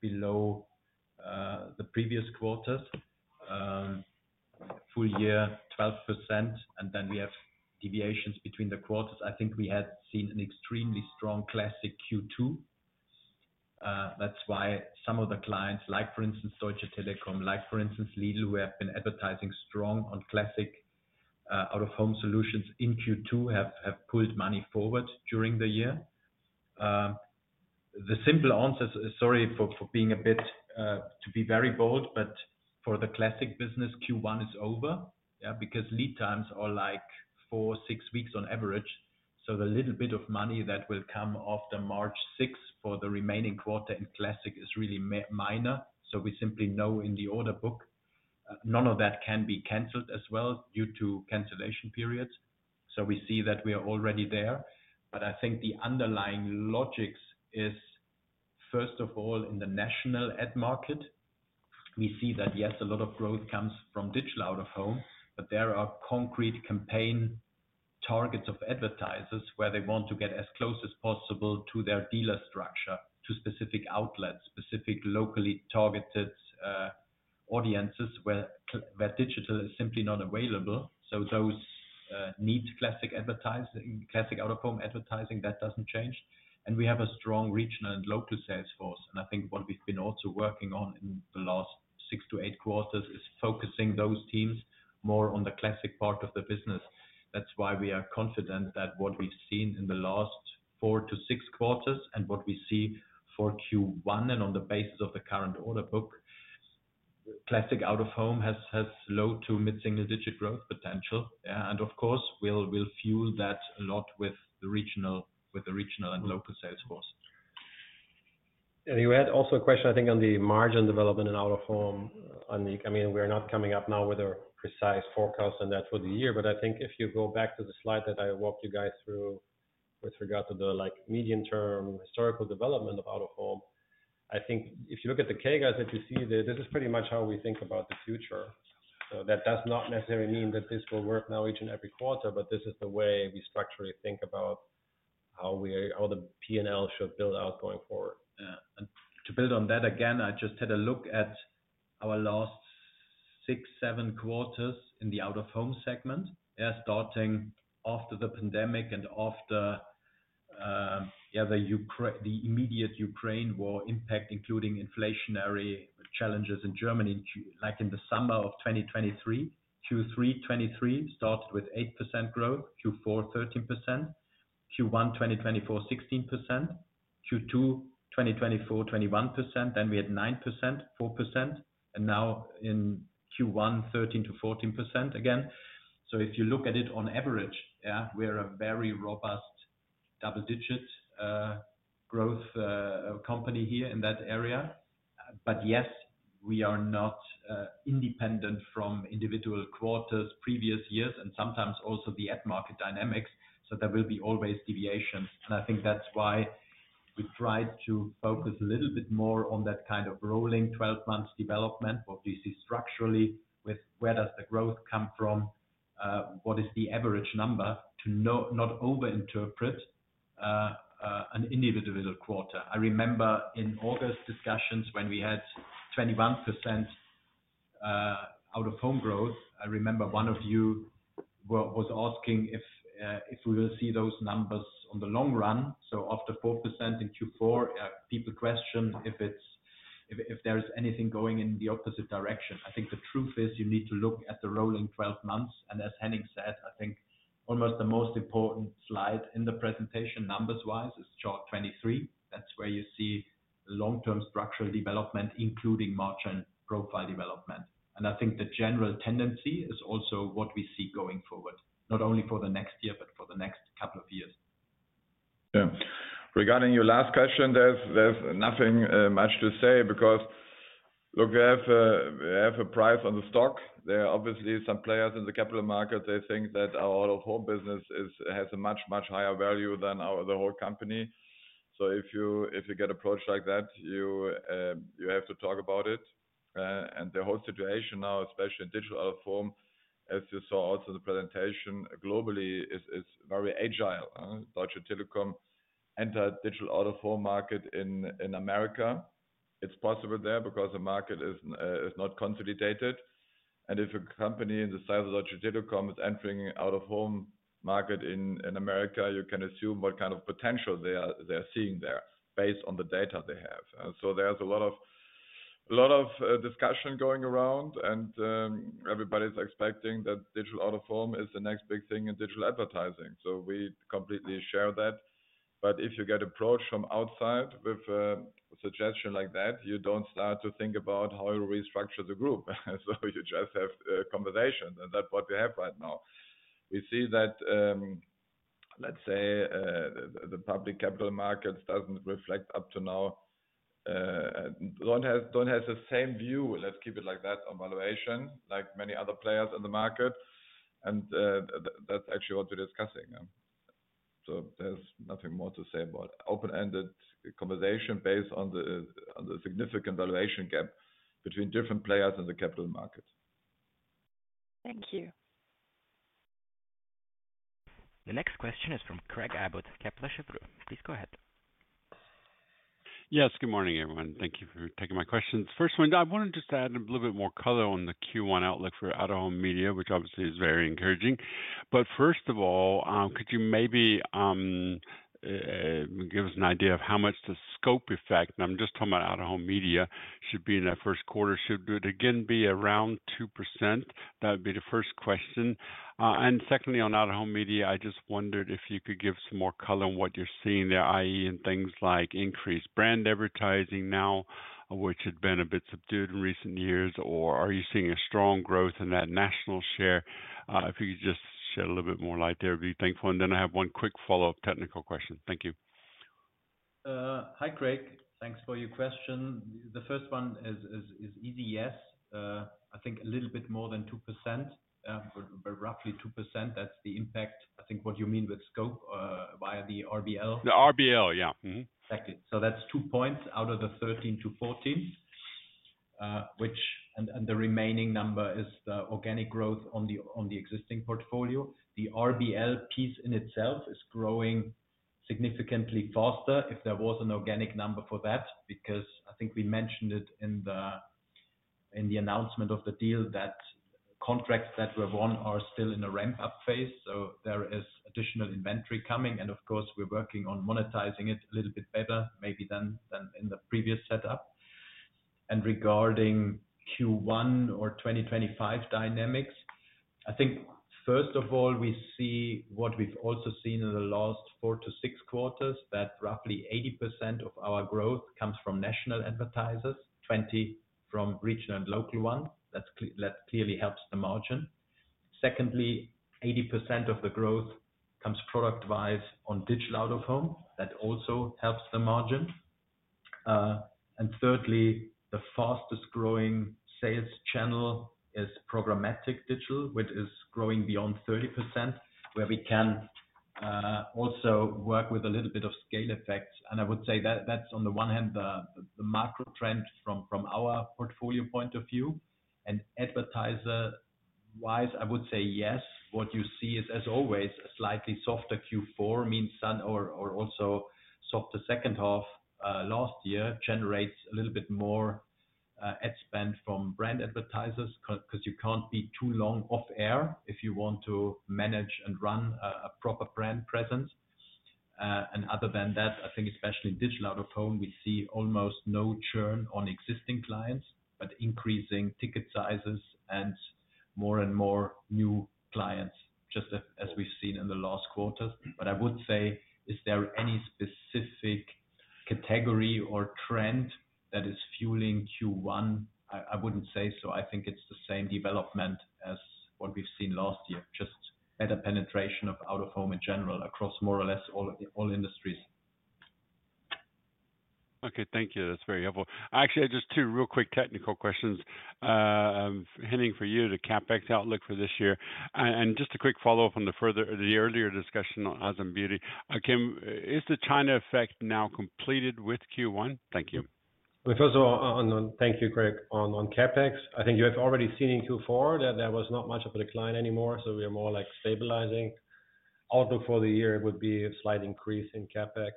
below the previous quarters. Full year, 12%, and then we have deviations between the quarters. I think we had seen an extremely strong classic Q2. That's why some of the clients, like for instance, Deutsche Telekom, like for instance, Lidl, who have been advertising strong on Classic Out-of-Home solutions in Q2, have pulled money forward during the year. The simple answer is, sorry for being a bit to be very bold, but for the classic business, Q1 is over because lead times are like four, six weeks on average. So the little bit of money that will come after March 6 for the remaining quarter in classic is really minor. So we simply know in the order book, none of that can be canceled as well due to cancellation periods. So we see that we are already there. But I think the underlying logic is, first of all, in the national ad market. We see that, yes, a lot of growth comes from Digital Out-of-Home, but there are concrete campaign targets of advertisers where they want to get as close as possible to their dealer structure, to specific outlets, specific locally targeted audiences where digital is simply not available. So those need Classic Out-of-Home advertising. That doesn't change. And we have a strong regional and local sales force. And I think what we've been also working on in the last six to eight quarters is focusing those teams more on the classic part of the business. That's why we are confident that what we've seen in the last four to six quarters and what we see for Q1 and on the basis of the current order book, Classic Out-of-Home has low to mid-single digit growth potential. And of course, we'll fuel that a lot with the regional and local sales force. You had also a question, I think, on the margin development in Out-of-Home. I mean, we're not coming up now with a precise forecast on that for the year, but I think if you go back to the slide that I walked you guys through with regard to the medium-term historical development of Out-of-Home. I think if you look at the KPIs that you see there, this is pretty much how we think about the future, so that does not necessarily mean that this will work now each and every quarter, but this is the way we structurally think about how the P&L should build out going forward. Yeah. And to build on that, again, I just had a look at our last six, seven quarters in the Out-of-Home segment, starting after the pandemic and after the immediate Ukraine war impact, including inflationary challenges in Germany, like in the summer of 2023. Q3 2023 started with 8% growth, Q4 13%, Q1 2024 16%, Q2 2024 21%, then we had 9%, 4%, and now in Q1 13%-14% again. So if you look at it on average, we're a very robust double-digit growth company here in that area. But yes, we are not independent from individual quarters, previous years, and sometimes also the ad market dynamics. So there will be always deviations. I think that's why we tried to focus a little bit more on that kind of rolling 12-month development, what we see structurally with where does the growth come from, what is the average number to not overinterpret an individual quarter. I remember in August discussions when we had 21% Out-of-Home growth. I remember one of you was asking if we will see those numbers on the long run. So after 4% in Q4, people question if there is anything going in the opposite direction. I think the truth is you need to look at the rolling 12 months. As Henning said, I think almost the most important slide in the presentation numbers-wise is chart 23. That's where you see long-term structural development, including margin profile development. And I think the general tendency is also what we see going forward, not only for the next year, but for the next couple of years. Yeah. Regarding your last question, there's nothing much to say because, look, we have a price on the stock. There are obviously some players in the capital market. They think that our Out-of-Home business has a much, much higher value than the whole company. So if you get approached like that, you have to talk about it. And the whole situation now, especially in Digital Out-of-Home, as you saw also in the presentation, globally is very agile. Deutsche Telekom entered Digital Out-of-Home market in America. It's possible there because the market is not consolidated. If a company in the size of Deutsche Telekom is entering the Out-of-Home market in America, you can assume what kind of potential they are seeing there based on the data they have. So there's a lot of discussion going around, and everybody's expecting that Digital Out-of-Home is the next big thing in digital advertising. So we completely share that. But if you get approached from outside with a suggestion like that, you don't start to think about how you restructure the group. So you just have conversations. And that's what we have right now. We see that, let's say, the public capital markets doesn't reflect up to now, don't have the same view. Let's keep it like that on valuation, like many other players in the market. And that's actually what we're discussing. So there's nothing more to say about open-ended conversation based on the significant valuation gap between different players in the capital market. Thank you. The next question is from Craig Abbott. Please go ahead. Yes. Good morning, everyone. Thank you for taking my questions. First one, I wanted just to add a little bit more color on the Q1 outlook for Out-of-Home media, which obviously is very encouraging. But first of all, could you maybe give us an idea of how much the scope effect, and I'm just talking about Out-of-Home media, should be in the first quarter? Should it again be around 2%? That would be the first question. And secondly, on Out-of-Home media, I just wondered if you could give some more color on what you're seeing there, i.e., in things like increased brand advertising now, which had been a bit subdued in recent years, or are you seeing a strong growth in that national share? If you could just shed a little bit more light there, I would be thankful. And then I have one quick follow-up technical question. Thank you. Hi, Craig. Thanks for your question. The first one is easy, yes. I think a little bit more than 2%, but roughly 2%. That's the impact, I think, what you mean with scope via the RBL. The RBL, yeah. Exactly. So that's 2 points out of the 13%-14%, and the remaining number is the organic growth on the existing portfolio. The RBL piece in itself is growing significantly faster if there was an organic number for that, because I think we mentioned it in the announcement of the deal that contracts that were won are still in a ramp-up phase. So there is additional inventory coming. And of course, we're working on monetizing it a little bit better, maybe than in the previous setup. And regarding Q1 or 2025 dynamics, I think first of all, we see what we've also seen in the last four to six quarters, that roughly 80% of our growth comes from national advertisers, 20% from regional and local ones. That clearly helps the margin. Secondly, 80% of the growth comes product-wise on Digital Out-of-Home. That also helps the margin. And thirdly, the fastest growing sales channel is programmatic digital, which is growing beyond 30%, where we can also work with a little bit of scale effects. And I would say that that's, on the one hand, the macro trend from our portfolio point of view. And advertiser-wise, I would say yes. What you see is, as always, a slightly softer Q4 means or also softer second half last year generates a little bit more ad spend from brand advertisers because you can't be too long off air if you want to manage and run a proper brand presence. And other than that, I think especially Digital Out-of-Home, we see almost no churn on existing clients, but increasing ticket sizes and more and more new clients, just as we've seen in the last quarters. But I would say, is there any specific category or trend that is fueling Q1? I wouldn't say so. I think it's the same development as what we've seen last year, just better penetration of Out-of-Home in general across more or less all industries. Okay. Thank you. That's very helpful. Actually, I just have two real quick technical questions. Henning, for you, the CapEx outlook for this year. And just a quick follow-up on the earlier discussion on AsamBeauty. Is the China effect now completed with Q1? Thank you. First of all, thank you, Craig, on CapEx. I think you have already seen in Q4 that there was not much of a decline anymore. So we are more like stabilizing. Outlook for the year would be a slight increase in CapEx.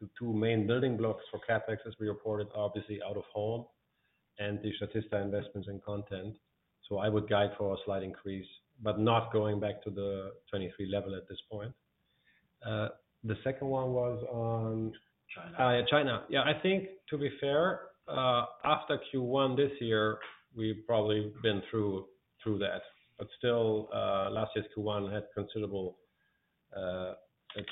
The two main building blocks for CapEx, as we reported, are obviously Out-of-Home and the Statista investments in content. So I would guide for a slight increase, but not going back to the 2023 level at this point. The second one was on China. Yeah. I think, to be fair, after Q1 this year, we've probably been through that. But still, last year's Q1 had considerable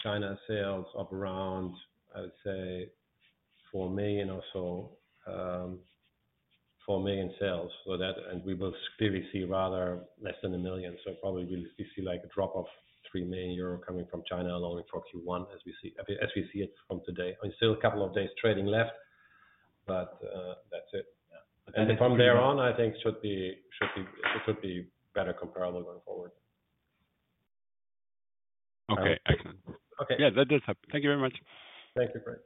China sales of around, I would say, 4 million or so, 4 million sales. And we will clearly see rather less than 1 million. So probably we'll see a drop of 3 million euro coming from China along for Q1, as we see it from today. Still a couple of days trading left, but that's it. And from there on, I think it should be better comparable going forward. Okay. Excellent. Okay. Yeah, that does help. Thank you very much. Thank you, Craig.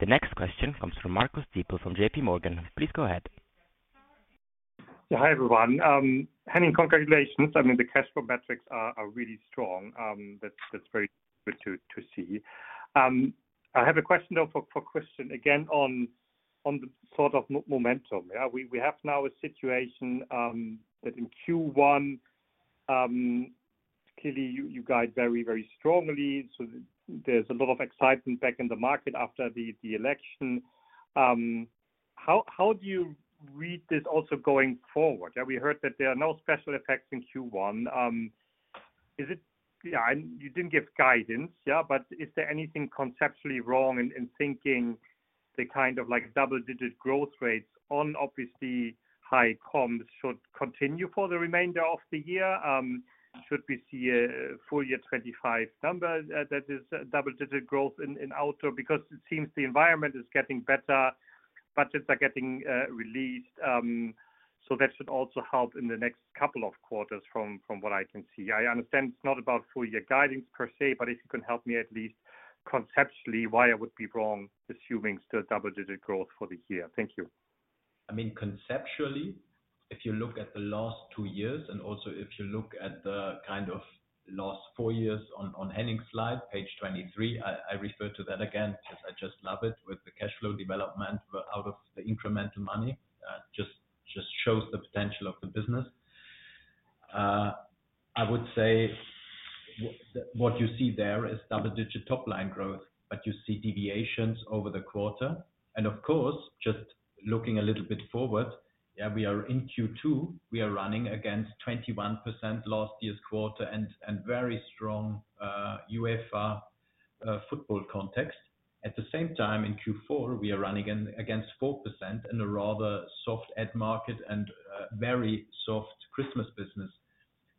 The next question comes from Marcus Diebel from JPMorgan. Please go ahead. Hi, everyone. Henning, congratulations. I mean, the cash flow metrics are really strong. That's very good to see. I have a question, though, for Christian, again, on the sort of momentum. We have now a situation that in Q1, clearly, you guide very, very strongly. So there's a lot of excitement back in the market after the election. How do you read this also going forward? We heard that there are no special effects in Q1. Yeah, you didn't give guidance, yeah, but is there anything conceptually wrong in thinking the kind of double-digit growth rates on, obviously, high comps should continue for the remainder of the year? Should we see a full year 2025 number that is double-digit growth in outdoor? Because it seems the environment is getting better, budgets are getting released. So that should also help in the next couple of quarters, from what I can see. I understand it's not about full year guidance per se, but if you can help me at least conceptually, why I would be wrong assuming still double-digit growth for the year. Thank you. I mean, conceptually, if you look at the last two years and also if you look at the kind of last four years on Henning's slide, page 23, I refer to that again because I just love it with the cash flow development out of the incremental money. It just shows the potential of the business. I would say what you see there is double-digit top line growth, but you see deviations over the quarter. And of course, just looking a little bit forward, yeah, we are in Q2. We are running against 21% last year's quarter and very strong UEFA football context. At the same time, in Q4, we are running against 4% in a rather soft ad market and very soft Christmas business.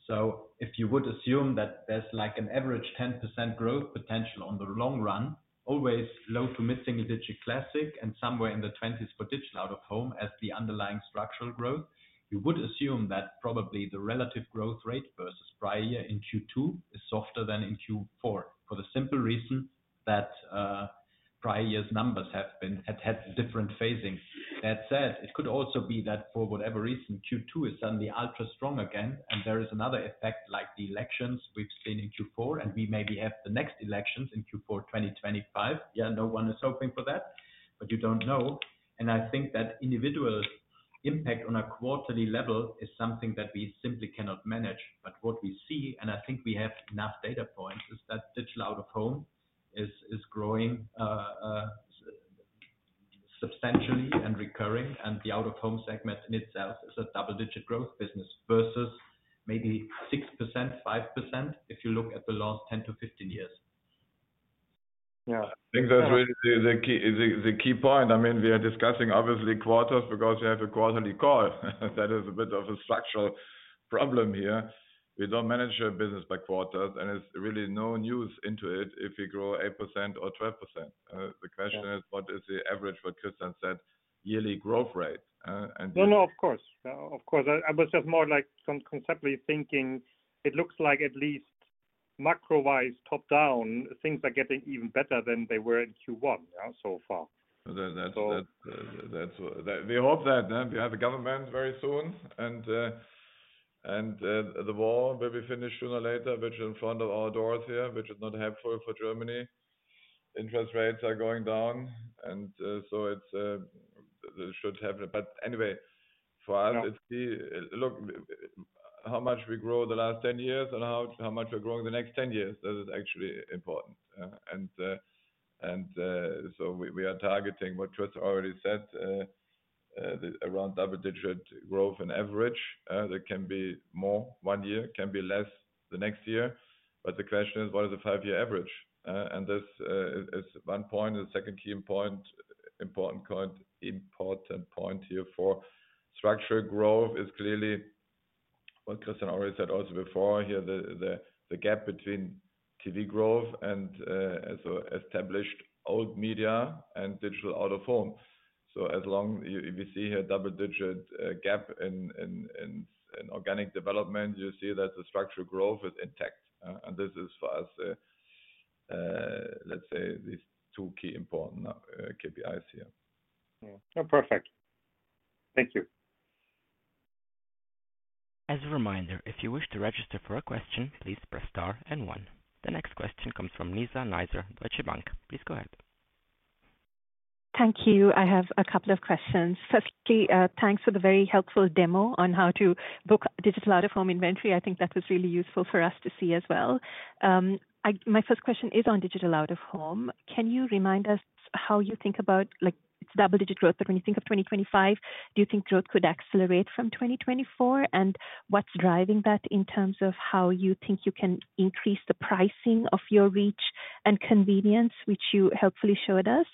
So if you would assume that there's an average 10% growth potential on the long run, always low to mid-single-digit classic and somewhere in the 20s for Digital Out-of-Home as the underlying structural growth, you would assume that probably the relative growth rate versus prior year in Q2 is softer than in Q4 for the simple reason that prior year's numbers have had different phasing. That said, it could also be that for whatever reason, Q2 is suddenly ultra strong again, and there is another effect like the elections we've seen in Q4, and we maybe have the next elections in Q4 2025. Yeah, no one is hoping for that, but you don't know. I think that individual impact on a quarterly level is something that we simply cannot manage. But what we see, and I think we have enough data points, is that Digital Out-of-Home is growing substantially and recurring, and the Out-of-Home segment in itself is a double-digit growth business versus maybe 6%, 5% if you look at the last 10-15 years. Yeah. I think that's really the key point. I mean, we are discussing, obviously, quarters because we have a quarterly call. That is a bit of a structural problem here. We don't manage our business by quarters, and it's really no news into it if we grow 8% or 12%. The question is, what is the average, what Christian said, yearly growth rate? No, no, of course. Of course. I was just more like conceptually thinking. It looks like at least macro-wise, top down, things are getting even better than they were in Q1 so far. We hope that we have a government very soon, and the war will be finished sooner or later, which is in front of our doors here, which is not helpful for Germany. Interest rates are going down, and so it should have. But anyway, for us, it's the, look, how much we grow the last 10 years and how much we're growing the next 10 years. That is actually important. And so we are targeting what Chris already said, around double-digit growth on average. There can be more one year, can be less the next year. But the question is, what is the five-year average? And this is one point. The second key important point here for structural growth is clearly what Christian already said also before here, the gap between TV growth and established old media and Digital Out-of-Home. So as long as we see a double-digit gap in organic development, you see that the structural growth is intact. And this is for us, let's say, these two key important KPIs here. Perfect. Thank you. As a reminder, if you wish to register for a question, please press star and one. The next question comes from Nizla Naizer, Deutsche Bank. Please go ahead. Thank you. I have a couple of questions. Firstly, thanks for the very helpful demo on how to book Digital Out-of-Home inventory. I think that was really useful for us to see as well. My first question is on Digital Out-of-Home. Can you remind us how you think about its double-digit growth, but when you think of 2025, do you think growth could accelerate from 2024? And what's driving that in terms of how you think you can increase the pricing of your reach and convenience, which you helpfully showed us?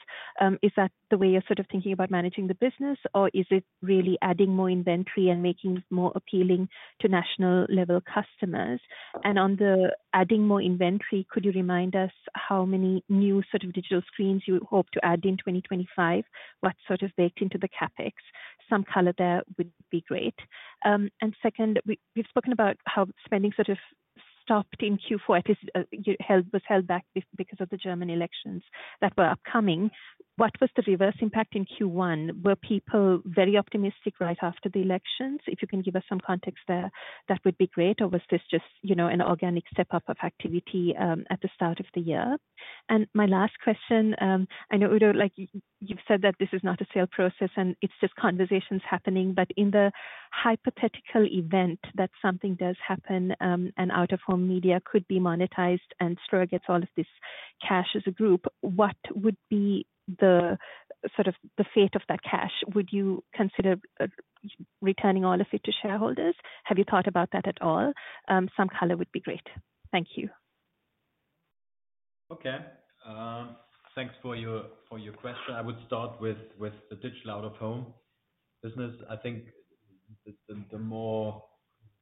Is that the way you're sort of thinking about managing the business, or is it really adding more inventory and making it more appealing to national-level customers? And on the adding more inventory, could you remind us how many new sort of digital screens you hope to add in 2025? What’s sort of baked into the CapEx? Some color there would be great. And second, we've spoken about how spending sort of stopped in Q4, at least was held back because of the German elections that were upcoming. What was the reverse impact in Q1? Were people very optimistic right after the elections? If you can give us some context there, that would be great. Or was this just an organic step-up of activity at the start of the year? And my last question, I know you've said that this is not a sale process and it's just conversations happening, but in the hypothetical event that something does happen and Out-of-Home media could be monetized and Ströer gets all of this cash as a group, what would be the sort of the fate of that cash? Would you consider returning all of it to shareholders? Have you thought about that at all? Some color would be great. Thank you. Okay. Thanks for your question. I would start with the Digital Out-of-Home business. I think the more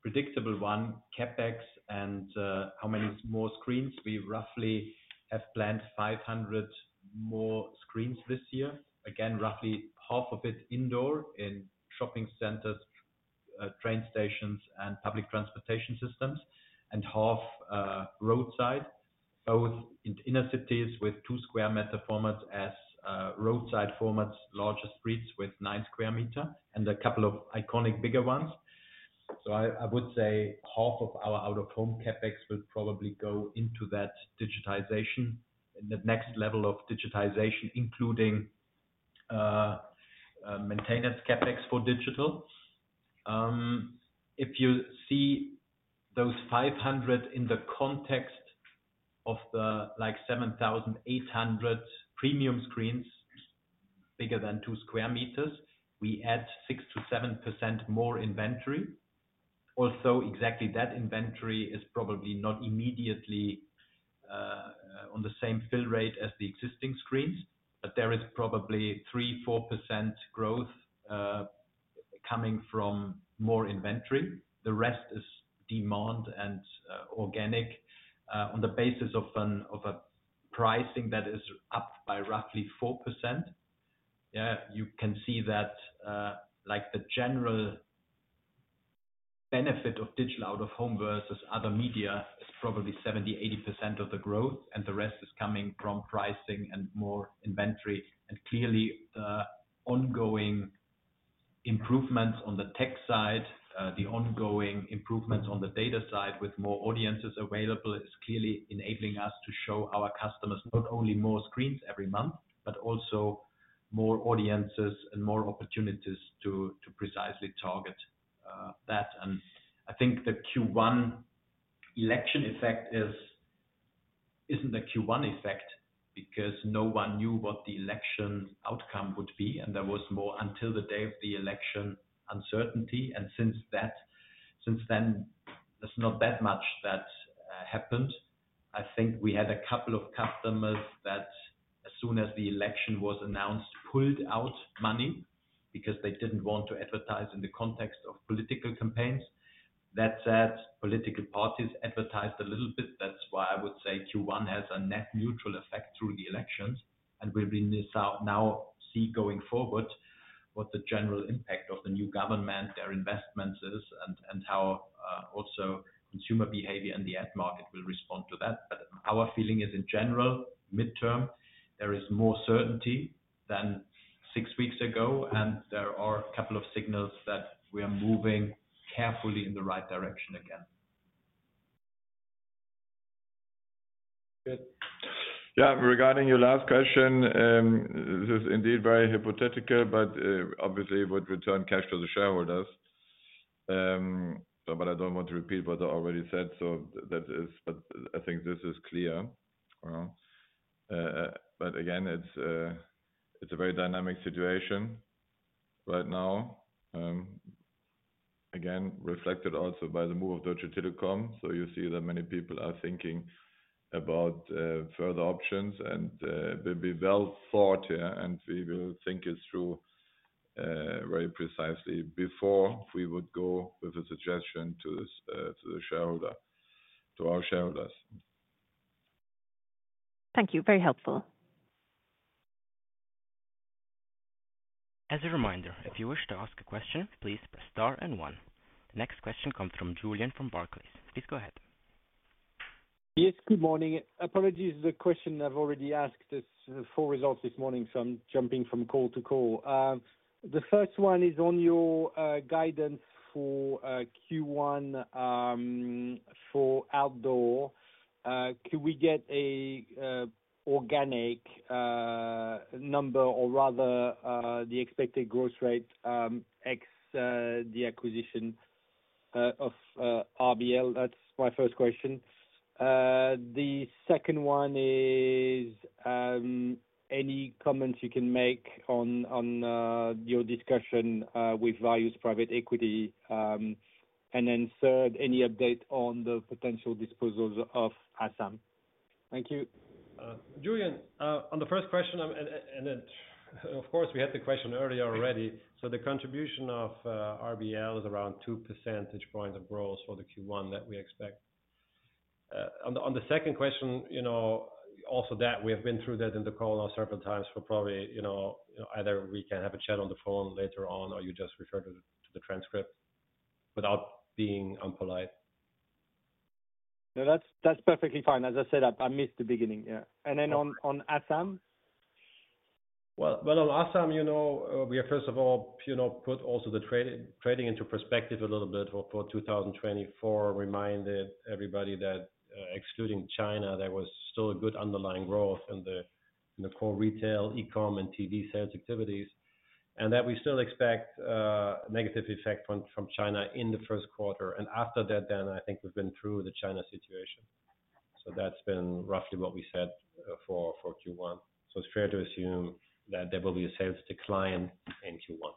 predictable one, CapEx and how many more screens. We roughly have planned 500 more screens this year. Again, roughly half of it indoor in shopping centers, train stations, and public transportation systems, and half roadside, both in inner cities with 2 m2 formats as roadside formats, larger streets with 9 m2, and a couple of iconic bigger ones. So I would say half of our Out-of-Home CapEx would probably go into that digitization, the next level of digitization, including maintenance CapEx for digital. If you see those 500 in the context of the 7,800 premium screens, bigger than 2 m2, we add 6%-7% more inventory. Although exactly that inventory is probably not immediately on the same fill rate as the existing screens, but there is probably 3%-4% growth coming from more inventory. The rest is demand and organic on the basis of a pricing that is up by roughly 4%. Yeah, you can see that the general benefit of Digital Out-of-Home versus other media is probably 70%-80% of the growth, and the rest is coming from pricing and more inventory. And clearly, the ongoing improvements on the tech side, the ongoing improvements on the data side with more audiences available is clearly enabling us to show our customers not only more screens every month, but also more audiences and more opportunities to precisely target that. And I think the Q1 election effect isn't a Q1 effect because no one knew what the election outcome would be, and there was more until the day of the election uncertainty. And since then, there's not that much that happened. I think we had a couple of customers that, as soon as the election was announced, pulled out money because they didn't want to advertise in the context of political campaigns. That said, political parties advertised a little bit. That's why I would say Q1 has a net neutral effect through the elections, and we will now see going forward what the general impact of the new government, their investments is, and how also consumer behavior and the ad market will respond to that. But our feeling is, in general, midterm, there is more certainty than six weeks ago, and there are a couple of signals that we are moving carefully in the right direction again. Good. Yeah, regarding your last question, this is indeed very hypothetical, but obviously it would return cash to the shareholders. But I don't want to repeat what I already said. So I think this is clear. But again, it's a very dynamic situation right now, again, reflected also by the move of Deutsche Telekom. So you see that many people are thinking about further options, and we'll be well thought here, and we will think it through very precisely before we would go with a suggestion to the shareholder, to our shareholders. Thank you. Very helpful. As a reminder, if you wish to ask a question, please press star and one. The next question comes from Julien from Barclays. Please go ahead. Yes, good morning. Apologies. The question I've already asked is Q4 results this morning, so I'm jumping from call to call. The first one is on your guidance for Q1 for outdoor. Could we get an organic number, or rather the expected growth rate ex the acquisition of RBL? That's my first question. The second one is any comments you can make on your discussion with various private equity. And then third, any update on the potential disposals of Asam. Thank you. Julien, on the first question, and of course, we had the question earlier already. So the contribution of RBL is around 2 percentage points of growth for the Q1 that we expect. On the second question, also that we have been through that in the call now several times for probably either we can have a chat on the phone later on, or you just refer to the transcript without being impolite. No, that's perfectly fine. As I said, I missed the beginning. Yeah. And then on Asam? Well, on Asam, we have, first of all, put also the trading into perspective a little bit for 2024. Reminded everybody that excluding China, there was still a good underlying growth in the core retail, e-comm, and TV sales activities, and that we still expect a negative effect from China in the first quarter. And after that, then I think we've been through the China situation. So that's been roughly what we said for Q1. So it's fair to assume that there will be a sales decline in Q1.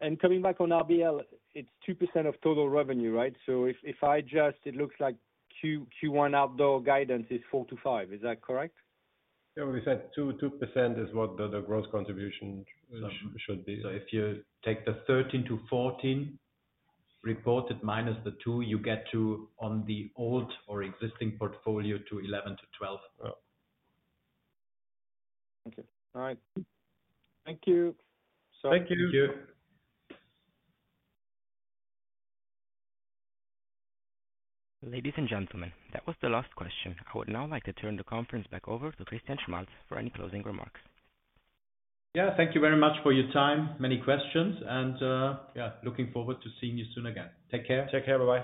And coming back on RBL, it's 2% of total revenue, right? So if I just, it looks like Q1 outdoor guidance is 4%-5%. Is that correct? Yeah, we said 2% is what the gross contribution should be. So if you take the 13%-14% reported minus the 2, you get to, on the old or existing portfolio, to 11%-12%. Thank you. All right. Thank you. Thank you. Ladies and gentlemen, that was the last question. I would now like to turn the conference back over to Christian Schmalzl for any closing remarks. Yeah, thank you very much for your time, many questions, and yeah, looking forward to seeing you soon again. Take care. Take care, everyone.